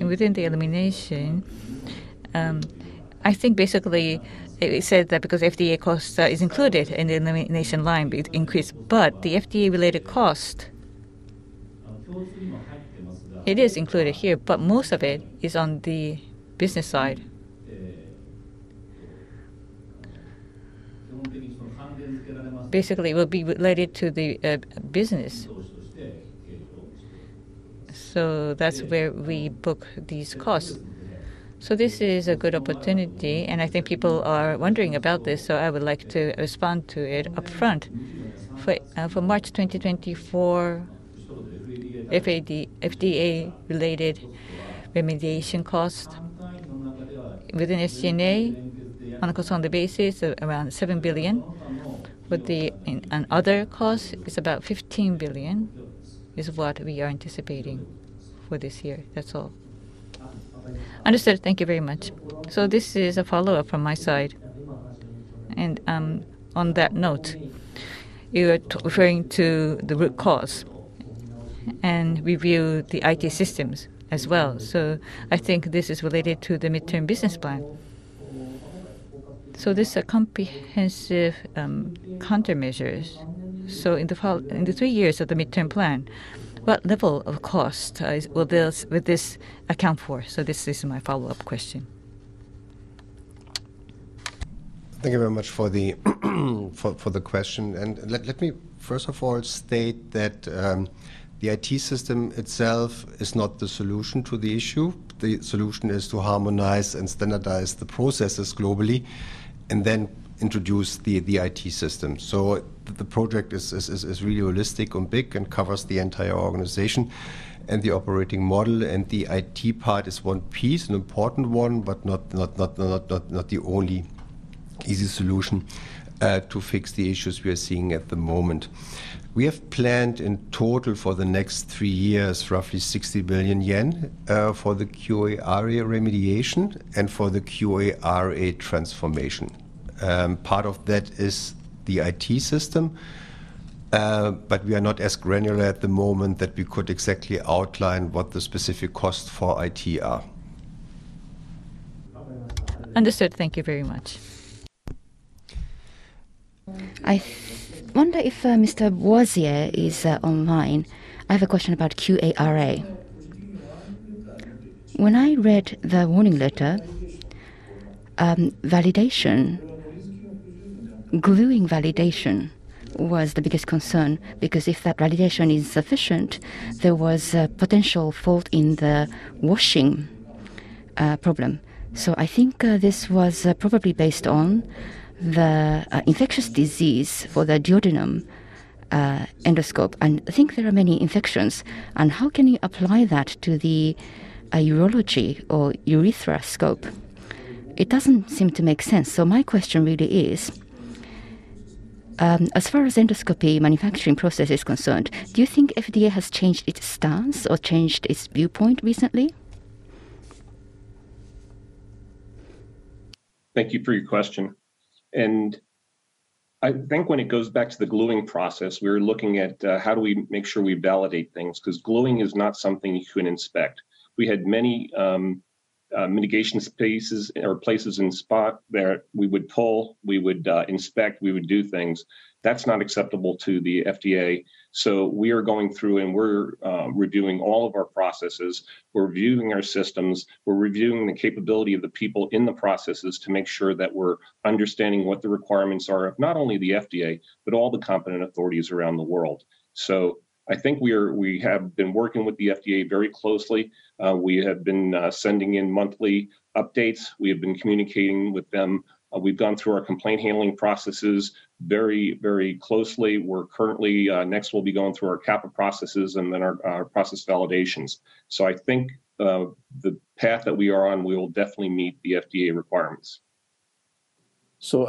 within the elimination, I think basically it said that because FDA cost is included in the elimination line, it increased, but the FDA-related cost, it is included here, but most of it is on the business side. Basically, it will be related to the business, so that's where we book these costs. This is a good opportunity, and I think people are wondering about this, so I would like to respond to it upfront. For March 2024, FDA-related remediation cost within SG&A on a consolidated basis of around 7 billion, with the other cost is about 15 billion is what we are anticipating for this year. That's all. Understood. Thank you very much. This is a follow-up from my side. And on that note, you were referring to the root cause and review the IT systems as well. I think this is related to the midterm business plan. This is a comprehensive countermeasures. In the three years of the midterm plan, what level of cost will this account for? This is my follow-up question. Thank you very much for the question. Let me, first of all, state that the IT system itself is not the solution to the issue. The solution is to harmonize and standardize the processes globally and then introduce the IT system. So the project is really holistic and big and covers the entire organization. The operating model and the IT part is one piece, an important one, but not the only easy solution to fix the issues we are seeing at the moment. We have planned in total for the next three years, roughly 60 billion yen for the QA-RA remediation and for the QA-RA transformation. Part of that is the IT system, but we are not as granular at the moment that we could exactly outline what the specific costs for IT are. Understood. Thank you very much. I wonder if Mr. Boisier is online. I have a question about QA-RA. When I read the warning letter, gluing validation was the biggest concern because if that validation is sufficient, there was a potential fault in the washing problem. So I think this was probably based on the infectious disease for the duodenoscope. And I think there are many infections. And how can you apply that to the urology or urethroscope? It doesn't seem to make sense. So my question really is, as far as endoscopy manufacturing process is concerned, do you think FDA has changed its stance or changed its viewpoint recently? Thank you for your question. And I think when it goes back to the gluing process, we were looking at how do we make sure we validate things because gluing is not something you can inspect. We had many mitigation steps or places in spots that we would pull, we would inspect, we would do things. That's not acceptable to the FDA. So we are going through and we're reviewing all of our processes. We're reviewing our systems. We're reviewing the capability of the people in the processes to make sure that we're understanding what the requirements are of not only the FDA, but all the competent authorities around the world. So I think we have been working with the FDA very closely. We have been sending in monthly updates. We have been communicating with them. We've gone through our complaint handling processes very, very closely. We're currently next will be going through our CAPA processes and then our process validations. So I think the path that we are on, we will definitely meet the FDA requirements.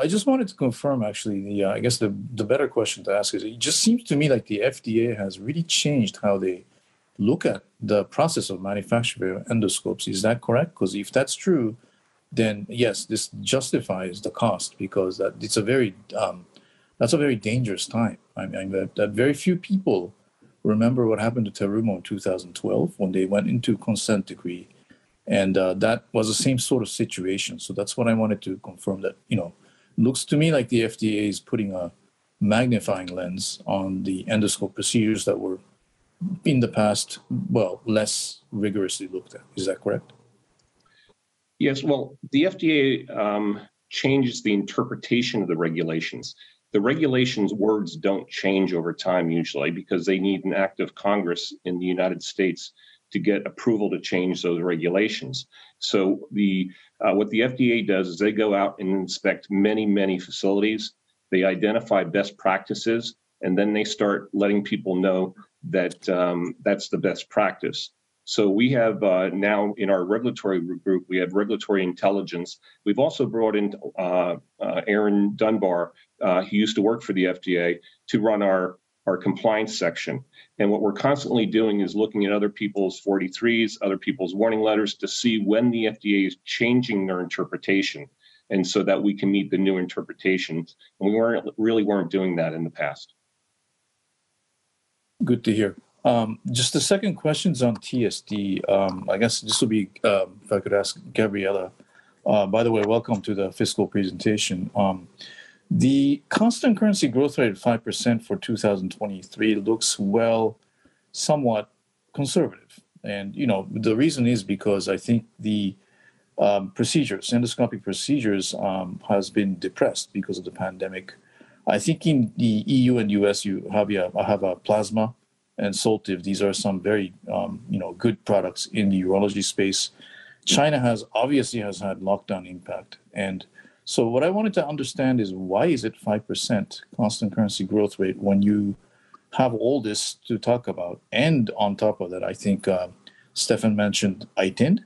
I just wanted to confirm. Actually, I guess the better question to ask is, it just seems to me like the FDA has really changed how they look at the process of manufacturing endoscopes. Is that correct? Because if that's true, then yes, this justifies the cost because that's a very dangerous time. I mean, very few people remember what happened to Terumo in 2012 when they went into consent decree. That was the same sort of situation. That's what I wanted to confirm. It looks to me like the FDA is putting a magnifying lens on the endoscope procedures that were in the past, well, less rigorously looked at. Is that correct? Yes. The FDA changes the interpretation of the regulations. The regulations' words don't change over time usually because they need an act of Congress in the United States to get approval to change those regulations. So what the FDA does is they go out and inspect many, many facilities. They identify best practices, and then they start letting people know that that's the best practice. So we have now in our regulatory group, we have regulatory intelligence. We've also brought in Aaron Dunbar. He used to work for the FDA to run our compliance section. And what we're constantly doing is looking at other people's 483s, other people's warning letters to see when the FDA is changing their interpretation so that we can meet the new interpretations. And we really weren't doing that in the past. Good to hear. Just the second question is on TSD. I guess this will be if I could ask Gabriela. By the way, welcome to the fiscal presentation. The constant currency growth rate of 5% for 2023 looks well, somewhat conservative, and the reason is because I think the procedures, endoscopic procedures, have been depressed because of the pandemic. I think in the EU and U.S., you have a plasma and Soltive. These are some very good products in the urology space. China obviously has had lockdown impact, and so what I wanted to understand is why is it 5% constant currency growth rate when you have all this to talk about, and on top of that, I think Stefan mentioned iTind,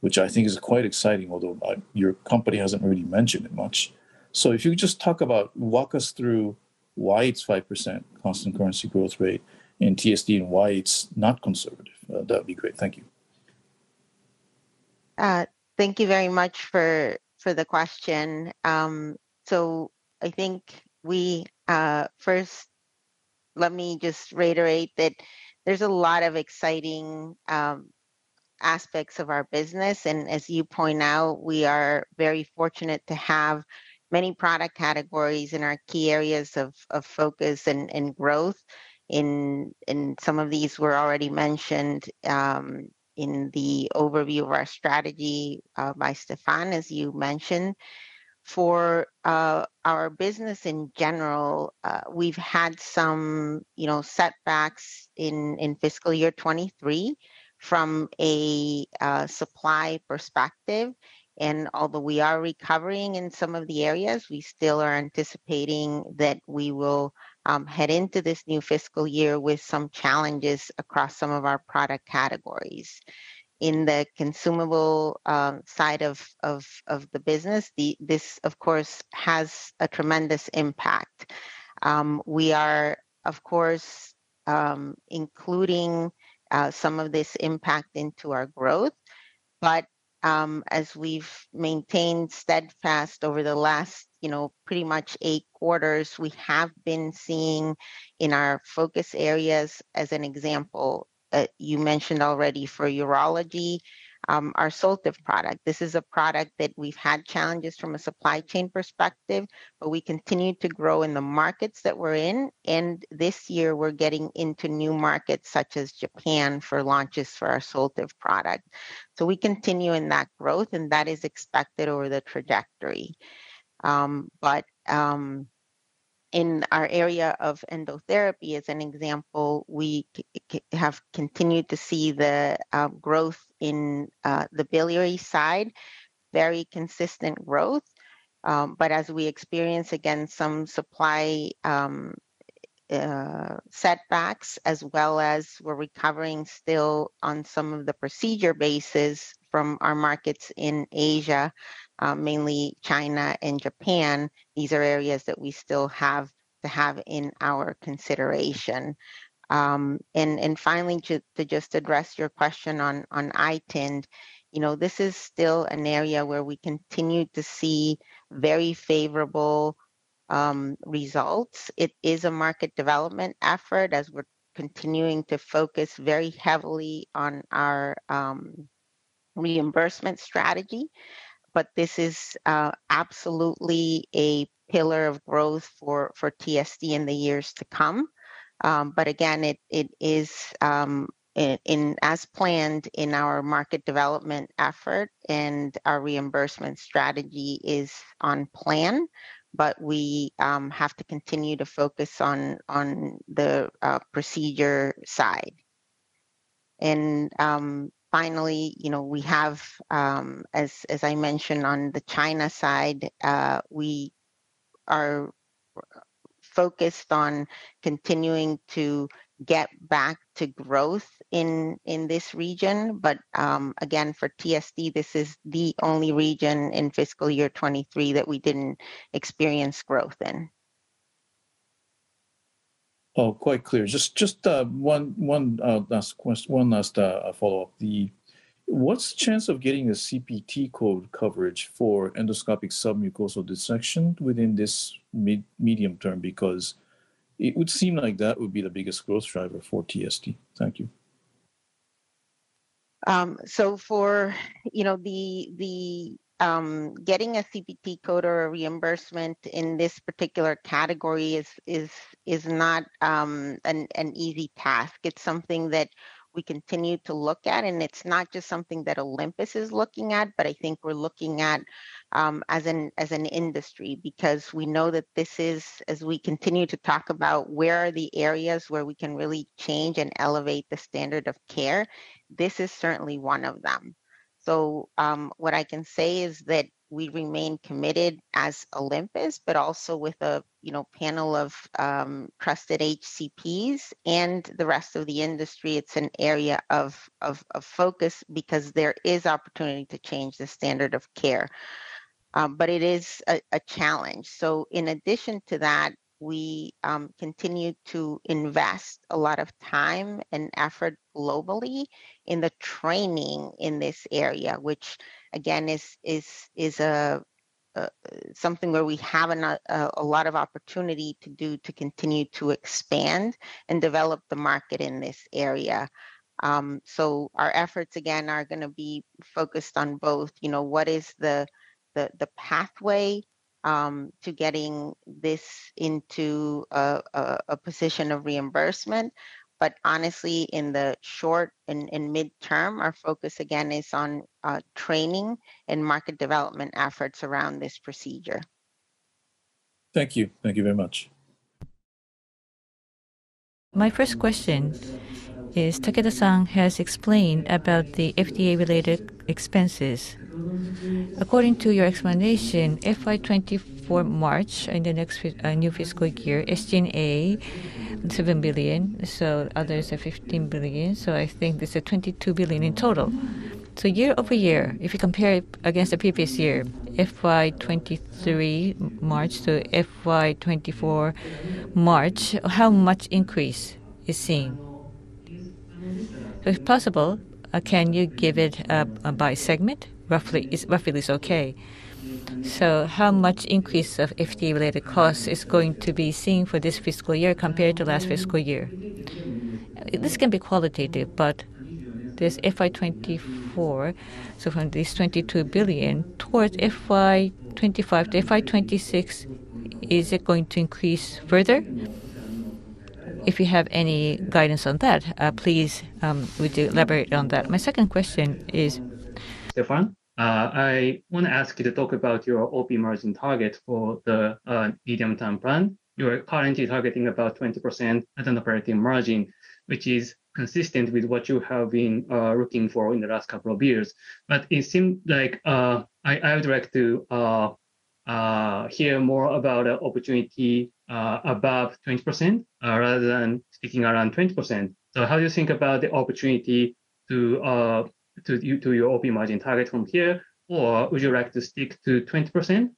which I think is quite exciting, although your company hasn't really mentioned it much, so if you could just talk about, walk us through why it's 5% constant currency growth rate in TSD and why it's not conservative. That would be great. Thank you. Thank you very much for the question. So I think first, let me just reiterate that there's a lot of exciting aspects of our business. And as you point out, we are very fortunate to have many product categories in our key areas of focus and growth. And some of these were already mentioned in the overview of our strategy by Stefan, as you mentioned. For our business in general, we've had some setbacks in fiscal year 2023 from a supply perspective. And although we are recovering in some of the areas, we still are anticipating that we will head into this new fiscal year with some challenges across some of our product categories. In the consumable side of the business, this, of course, has a tremendous impact. We are, of course, including some of this impact into our growth. But as we've maintained steadfast over the last pretty much eight quarters, we have been seeing in our focus areas, as an example, you mentioned already for urology, our Soltive product. This is a product that we've had challenges from a supply chain perspective, but we continue to grow in the markets that we're in. And this year, we're getting into new markets such as Japan for launches for our Soltive product. So we continue in that growth, and that is expected over the trajectory. But in our area of endotherapy, as an example, we have continued to see the growth in the biliary side, very consistent growth. But as we experience, again, some supply setbacks, as well as we're recovering still on some of the procedure basis from our markets in Asia, mainly China and Japan, these are areas that we still have to have in our consideration. And finally, to just address your question on iTind, this is still an area where we continue to see very favorable results. It is a market development effort as we're continuing to focus very heavily on our reimbursement strategy. But this is absolutely a pillar of growth for TSD in the years to come. But again, it is as planned in our market development effort, and our reimbursement strategy is on plan, but we have to continue to focus on the procedure side. And finally, we have, as I mentioned, on the China side, we are focused on continuing to get back to growth in this region. But again, for TSD, this is the only region in fiscal year 2023 that we didn't experience growth in. Oh, quite clear. Just one last question, one last follow-up. What's the chance of getting the CPT code coverage for endoscopic submucosal dissection within this medium term? Because it would seem like that would be the biggest growth driver for TSD. Thank you. So for getting a CPT code or a reimbursement in this particular category is not an easy task. It's something that we continue to look at, and it's not just something that Olympus is looking at, but I think we're looking at as an industry because we know that this is, as we continue to talk about where are the areas where we can really change and elevate the standard of care, this is certainly one of them. So what I can say is that we remain committed as Olympus, but also with a panel of trusted HCPs and the rest of the industry. It's an area of focus because there is opportunity to change the standard of care. But it is a challenge. So in addition to that, we continue to invest a lot of time and effort globally in the training in this area, which, again, is something where we have a lot of opportunity to do to continue to expand and develop the market in this area. So our efforts, again, are going to be focused on both what is the pathway to getting this into a position of reimbursement. But honestly, in the short and midterm, our focus, again, is on training and market development efforts around this procedure. Thank you. Thank you very much. My first question is, Takeda-san has explained about the FDA-related expenses. According to your explanation, FY 2024 March in the next new fiscal year, SG&A is 7 billion. So others are 15 billion. So I think this is 22 billion in total. So year-over-year, if you compare it against the previous year, FY 2023 March to FY 2024 March, how much increase is seen? If possible, can you give it by segment? Roughly is okay. So how much increase of FDA-related costs is going to be seen for this fiscal year compared to last fiscal year? This can be qualitative, but there's FY 2024. So from this 22 billion towards FY 2025 to FY 2026, is it going to increase further? If you have any guidance on that, please elaborate on that. My second question is. Stefan, I want to ask you to talk about your OP margin target for the medium-term plan. You're currently targeting about 20% at an operating margin, which is consistent with what you have been looking for in the last couple of years. But it seemed like I would like to hear more about an opportunity above 20% rather than sticking around 20%. So how do you think about the opportunity to your OP margin target from here, or would you like to stick to 20%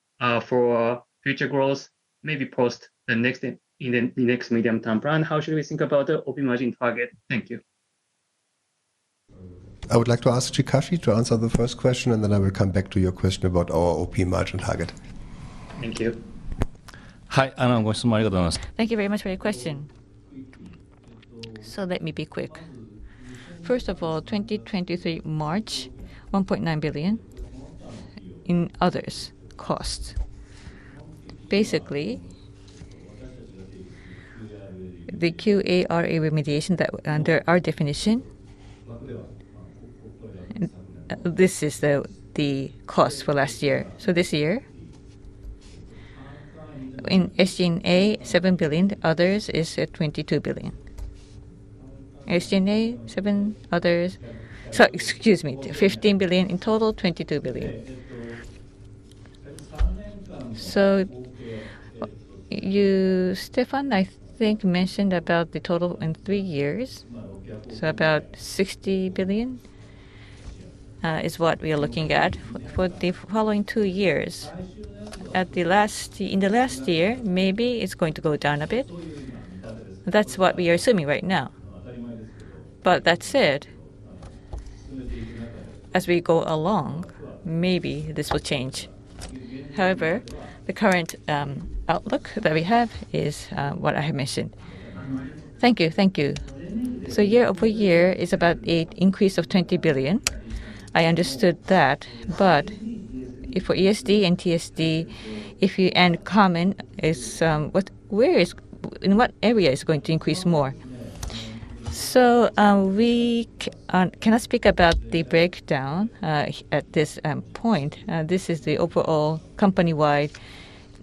for future growth, maybe post the next medium-term plan? How should we think about the OP margin target? Thank you. I would like to ask Chikashi to answer the first question, and then I will come back to your question about our OP margin target. Thank you. Thank you very much for your question. So let me be quick. First of all, 2023 March, 1.9 billion in others cost. Basically, the QA-RA remediation under our definition, this is the cost for last year. So this year, in SG&A, 7 billion. Others is 22 billion. SG&A, 7. Others, sorry, excuse me, 15 billion in total, 22 billion. You, Stefan, I think mentioned about the total in three years, so about 60 billion is what we are looking at for the following two years. In the last year, maybe it's going to go down a bit. That's what we are assuming right now. But that said, as we go along, maybe this will change. However, the current outlook that we have is what I have mentioned. Thank you. Thank you. Year-over-year is about an increase of 20 billion. I understood that. But for ESD and TSD, if you can comment on what area is going to increase more? We cannot speak about the breakdown at this point. This is the overall company-wide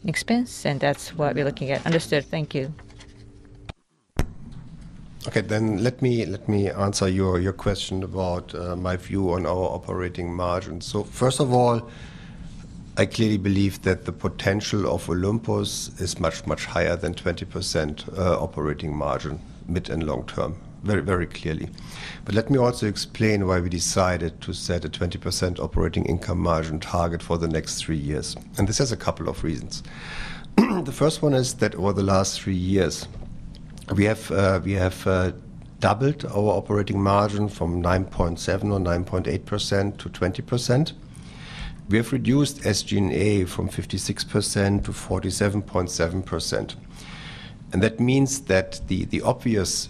expense, and that's what we're looking at. Understood. Thank you. Okay. Let me answer your question about my view on our operating margin. So first of all, I clearly believe that the potential of Olympus is much, much higher than 20% operating margin mid and long term, very, very clearly. But let me also explain why we decided to set a 20% operating income margin target for the next three years. And this has a couple of reasons. The first one is that over the last three years, we have doubled our operating margin from 9.7% or 9.8%-20%. We have reduced SG&A from 56%-47.7%. And that means that the obvious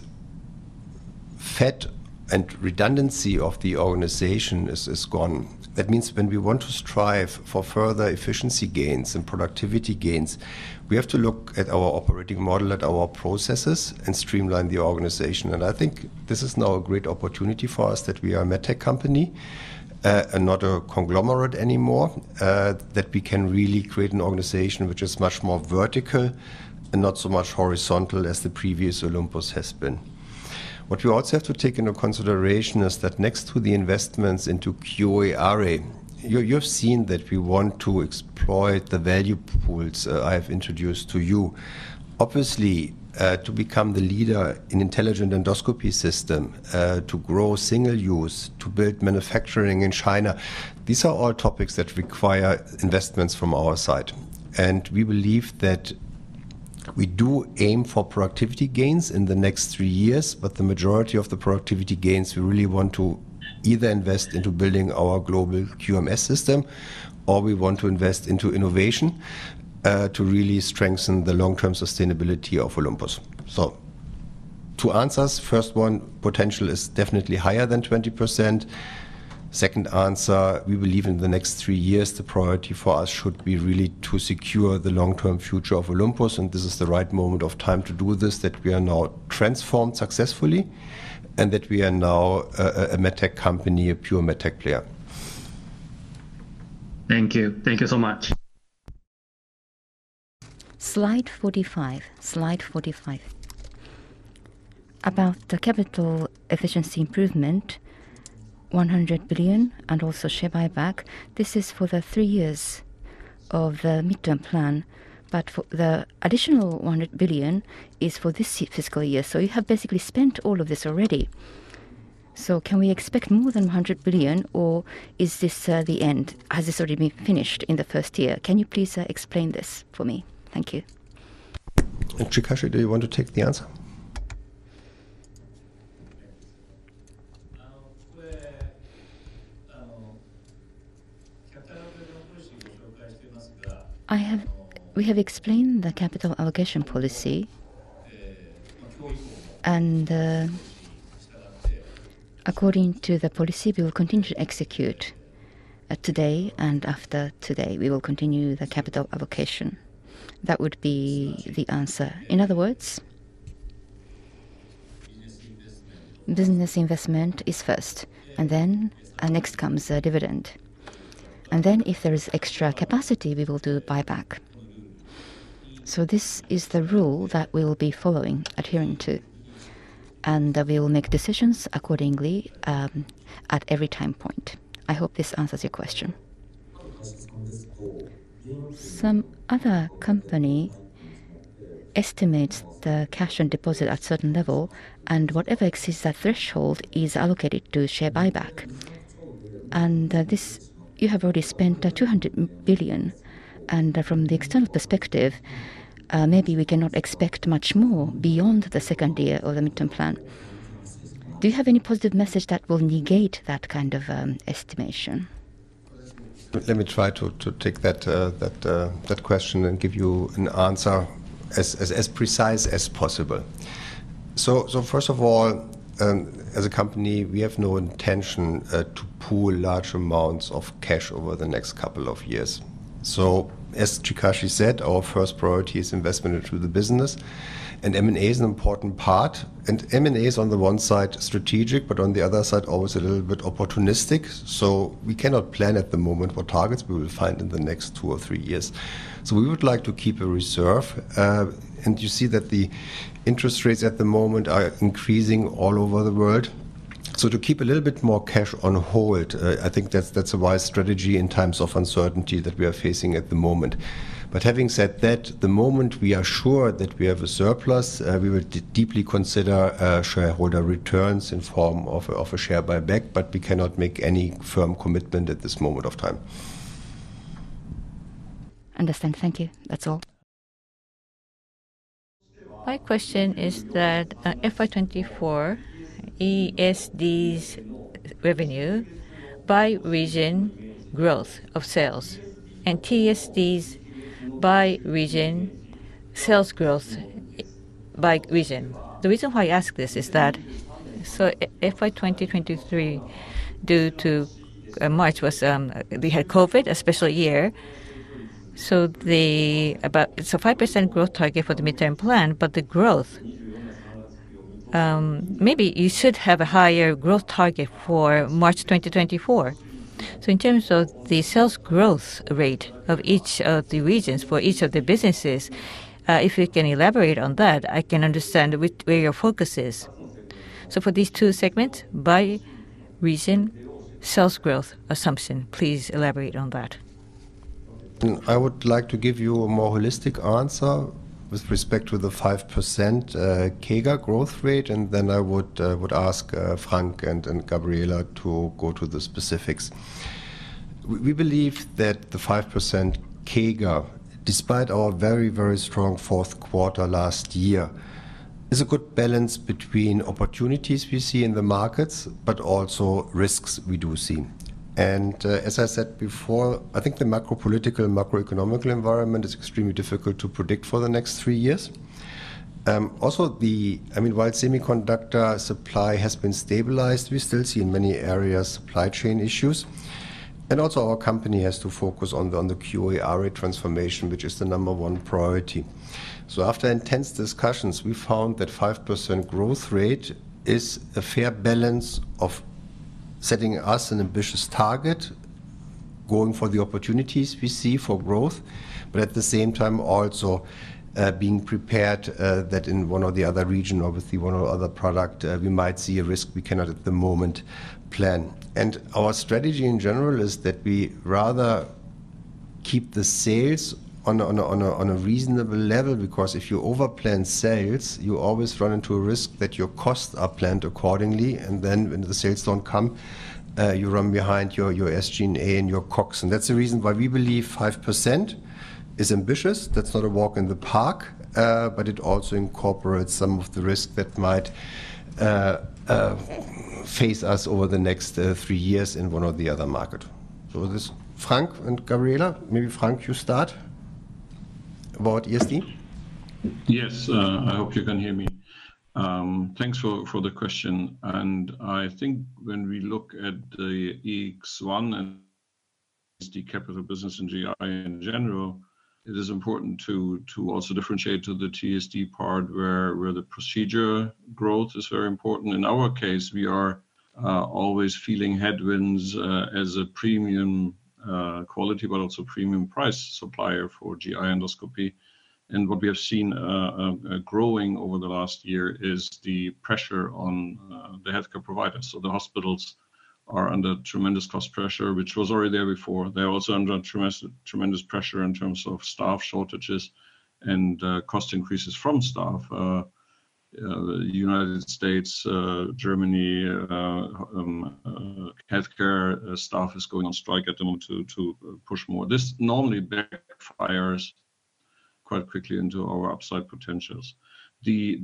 fat and redundancy of the organization is gone. That means when we want to strive for further efficiency gains and productivity gains, we have to look at our operating model, at our processes, and streamline the organization. And I think this is now a great opportunity for us that we are a medtech company, not a conglomerate anymore, that we can really create an organization which is much more vertical and not so much horizontal as the previous Olympus has been. What we also have to take into consideration is that next to the investments into QA-RA, you have seen that we want to exploit the value pools I have introduced to you. Obviously, to become the leader in intelligent endoscopy system, to grow single use, to build manufacturing in China, these are all topics that require investments from our side. And we believe that we do aim for productivity gains in the next three years, but the majority of the productivity gains, we really want to either invest into building our global QMS system, or we want to invest into innovation to really strengthen the long-term sustainability of Olympus. So two answers. First one, potential is definitely higher than 20%. Second answer, we believe in the next three years, the priority for us should be really to secure the long-term future of Olympus. And this is the right moment of time to do this, that we are now transformed successfully and that we are now a medtech company, a pure medtech player. Thank you. Thank you so much. Slide 45. Slide 45. About the capital efficiency improvement, 100 billion and also share buyback. This is for the three years of the midterm plan. But the additional 100 billion is for this fiscal year. So you have basically spent all of this already. So can we expect more than 100 billion, or is this the end? Has this already been finished in the first year? Can you please explain this for me? Thank you. And Chikashi, do you want to take the answer? I have explained the capital allocation policy, and according to the policy, we will continue to execute today and after today. We will continue the capital allocation. That would be the answer. In other words, business investment is first, and then next comes dividend. And then if there is extra capacity, we will do buyback. So this is the rule that we'll be following, adhering to, and we'll make decisions accordingly at every time point. I hope this answers your question. Some other company estimates the cash and deposit at a certain level, and whatever exceeds that threshold is allocated to share buyback. You have already spent 200 billion. From the external perspective, maybe we cannot expect much more beyond the second year of the midterm plan. Do you have any positive message that will negate that kind of estimation? Let me try to take that question and give you an answer as precise as possible. First of all, as a company, we have no intention to pool large amounts of cash over the next couple of years. As Chikashi said, our first priority is investment into the business. M&A is an important part. M&A is on the one side strategic, but on the other side, always a little bit opportunistic. So we cannot plan at the moment what targets we will find in the next two or three years. So we would like to keep a reserve. And you see that the interest rates at the moment are increasing all over the world. So to keep a little bit more cash on hold, I think that's a wise strategy in times of uncertainty that we are facing at the moment. But having said that, the moment we are sure that we have a surplus, we will deeply consider shareholder returns in form of a share buyback, but we cannot make any firm commitment at this moment of time. Understand. Thank you. That's all. My question is that FY 2024 ESD's revenue by region growth of sales and TSD's by region sales growth by region. The reason why I ask this is that FY 2023, due to March, we had COVID, a special year. So 5% growth target for the midterm plan, but the growth, maybe you should have a higher growth target for March 2024. So in terms of the sales growth rate of each of the regions for each of the businesses, if you can elaborate on that, I can understand where your focus is. So for these two segments, by region sales growth assumption, please elaborate on that. I would like to give you a more holistic answer with respect to the 5% CAGR growth rate, and then I would ask Frank and Gabriela to go to the specifics. We believe that the 5% CAGR, despite our very, very strong fourth quarter last year, is a good balance between opportunities we see in the markets, but also risks we do see. As I said before, I think the macro-political, macro-economic environment is extremely difficult to predict for the next three years. Also, I mean, while semiconductor supply has been stabilized, we still see in many areas supply chain issues. Our company has to focus on the QA-RA transformation, which is the number one priority. After intense discussions, we found that 5% growth rate is a fair balance of setting us an ambitious target, going for the opportunities we see for growth, but at the same time, also being prepared that in one or the other region or with one or the other product, we might see a risk we cannot at the moment plan. Our strategy in general is that we rather keep the sales on a reasonable level because if you overplan sales, you always run into a risk that your costs are planned accordingly, and then when the sales don't come, you run behind your SG&A and your COGS. That's the reason why we believe 5% is ambitious. That's not a walk in the park, but it also incorporates some of the risks that might face us over the next three years in one or the other market. So this is Frank and Gabriela. Maybe Frank, you start about ESD. Yes. I hope you can hear me. Thanks for the question. And I think when we look at the EVIS X1 and the capital business and GI in general, it is important to also differentiate to the TSD part where the procedure growth is very important. In our case, we are always feeling headwinds as a premium quality, but also premium price supplier for GI endoscopy, and what we have seen growing over the last year is the pressure on the healthcare providers, so the hospitals are under tremendous cost pressure, which was already there before. They're also under tremendous pressure in terms of staff shortages and cost increases from staff. In the United States, Germany, healthcare staff is going on strike at them to push more. This normally backfires quite quickly into our upside potentials. The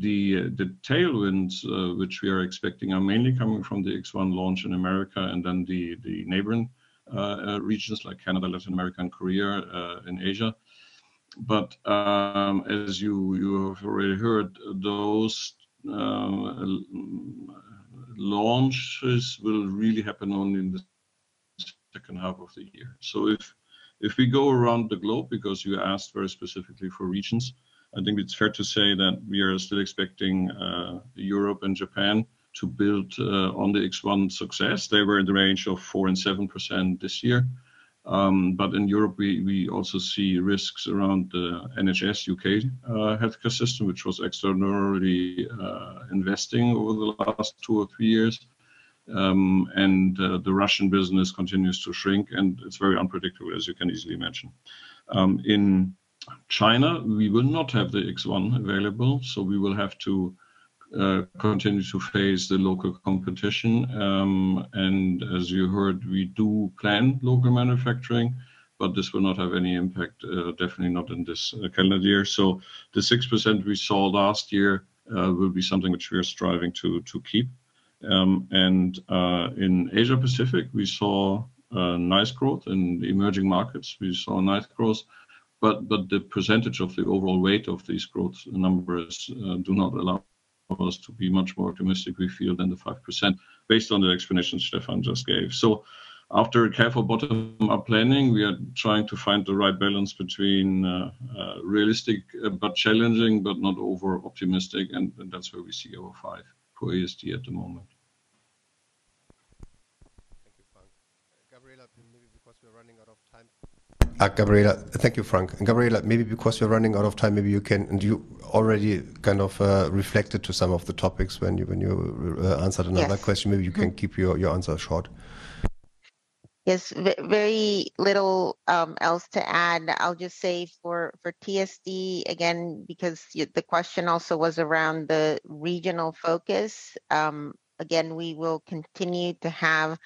tailwinds which we are expecting are mainly coming from the EVIS X1 launch in America and then the neighboring regions like Canada, Latin America, and Korea in Asia, but as you have already heard, those launches will really happen only in the second half of the year. So if we go around the globe, because you asked very specifically for regions, I think it's fair to say that we are still expecting Europe and Japan to build on the EVIS X1 success. They were in the range of 4%-7% this year. But in Europe, we also see risks around the NHS UK healthcare system, which was extraordinarily investing over the last two or three years. And the Russian business continues to shrink, and it's very unpredictable, as you can easily imagine. In China, we will not have the EVIS X1 available, so we will have to continue to face the local competition. And as you heard, we do plan local manufacturing, but this will not have any impact, definitely not in this calendar year. So the 6% we saw last year will be something which we are striving to keep. And in Asia-Pacific, we saw nice growth. In emerging markets, we saw nice growth. But the percentage of the overall weight of these growth numbers do not allow us to be much more optimistic, we feel, than the 5% based on the explanation Stefan just gave. So after careful bottom-up planning, we are trying to find the right balance between realistic but challenging, but not over-optimistic. And that's where we see our 5% for ESD at the moment. Thank you, Frank. Gabriela, maybe because we're running out of time. Gabriela, thank you, Frank. And Gabriela, maybe because we're running out of time, maybe you can already kind of reflected to some of the topics when you answered another question. Maybe you can keep your answer short. Yes. Very little else to add. I'll just say for TSD, again, because the question also was around the regional focus, again, we will continue to have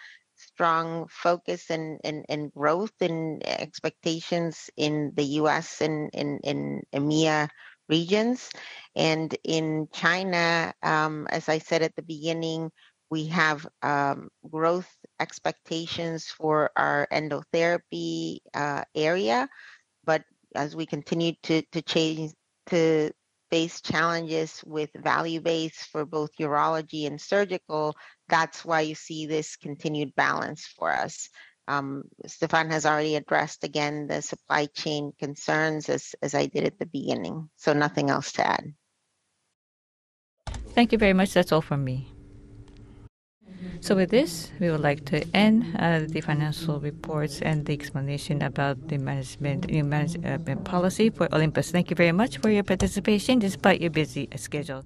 strong focus and growth and expectations in the U.S. and EMEA regions, and in China, as I said at the beginning, we have growth expectations for our endotherapy area, but as we continue to face challenges with value-based for both urology and surgical, that's why you see this continued balance for us. Stefan has already addressed again the supply chain concerns as I did at the beginning, so nothing else to add. Thank you very much. That's all from me, so with this, we would like to end the financial reports and the explanation about the management policy for Olympus. Thank you very much for your participation despite your busy schedule.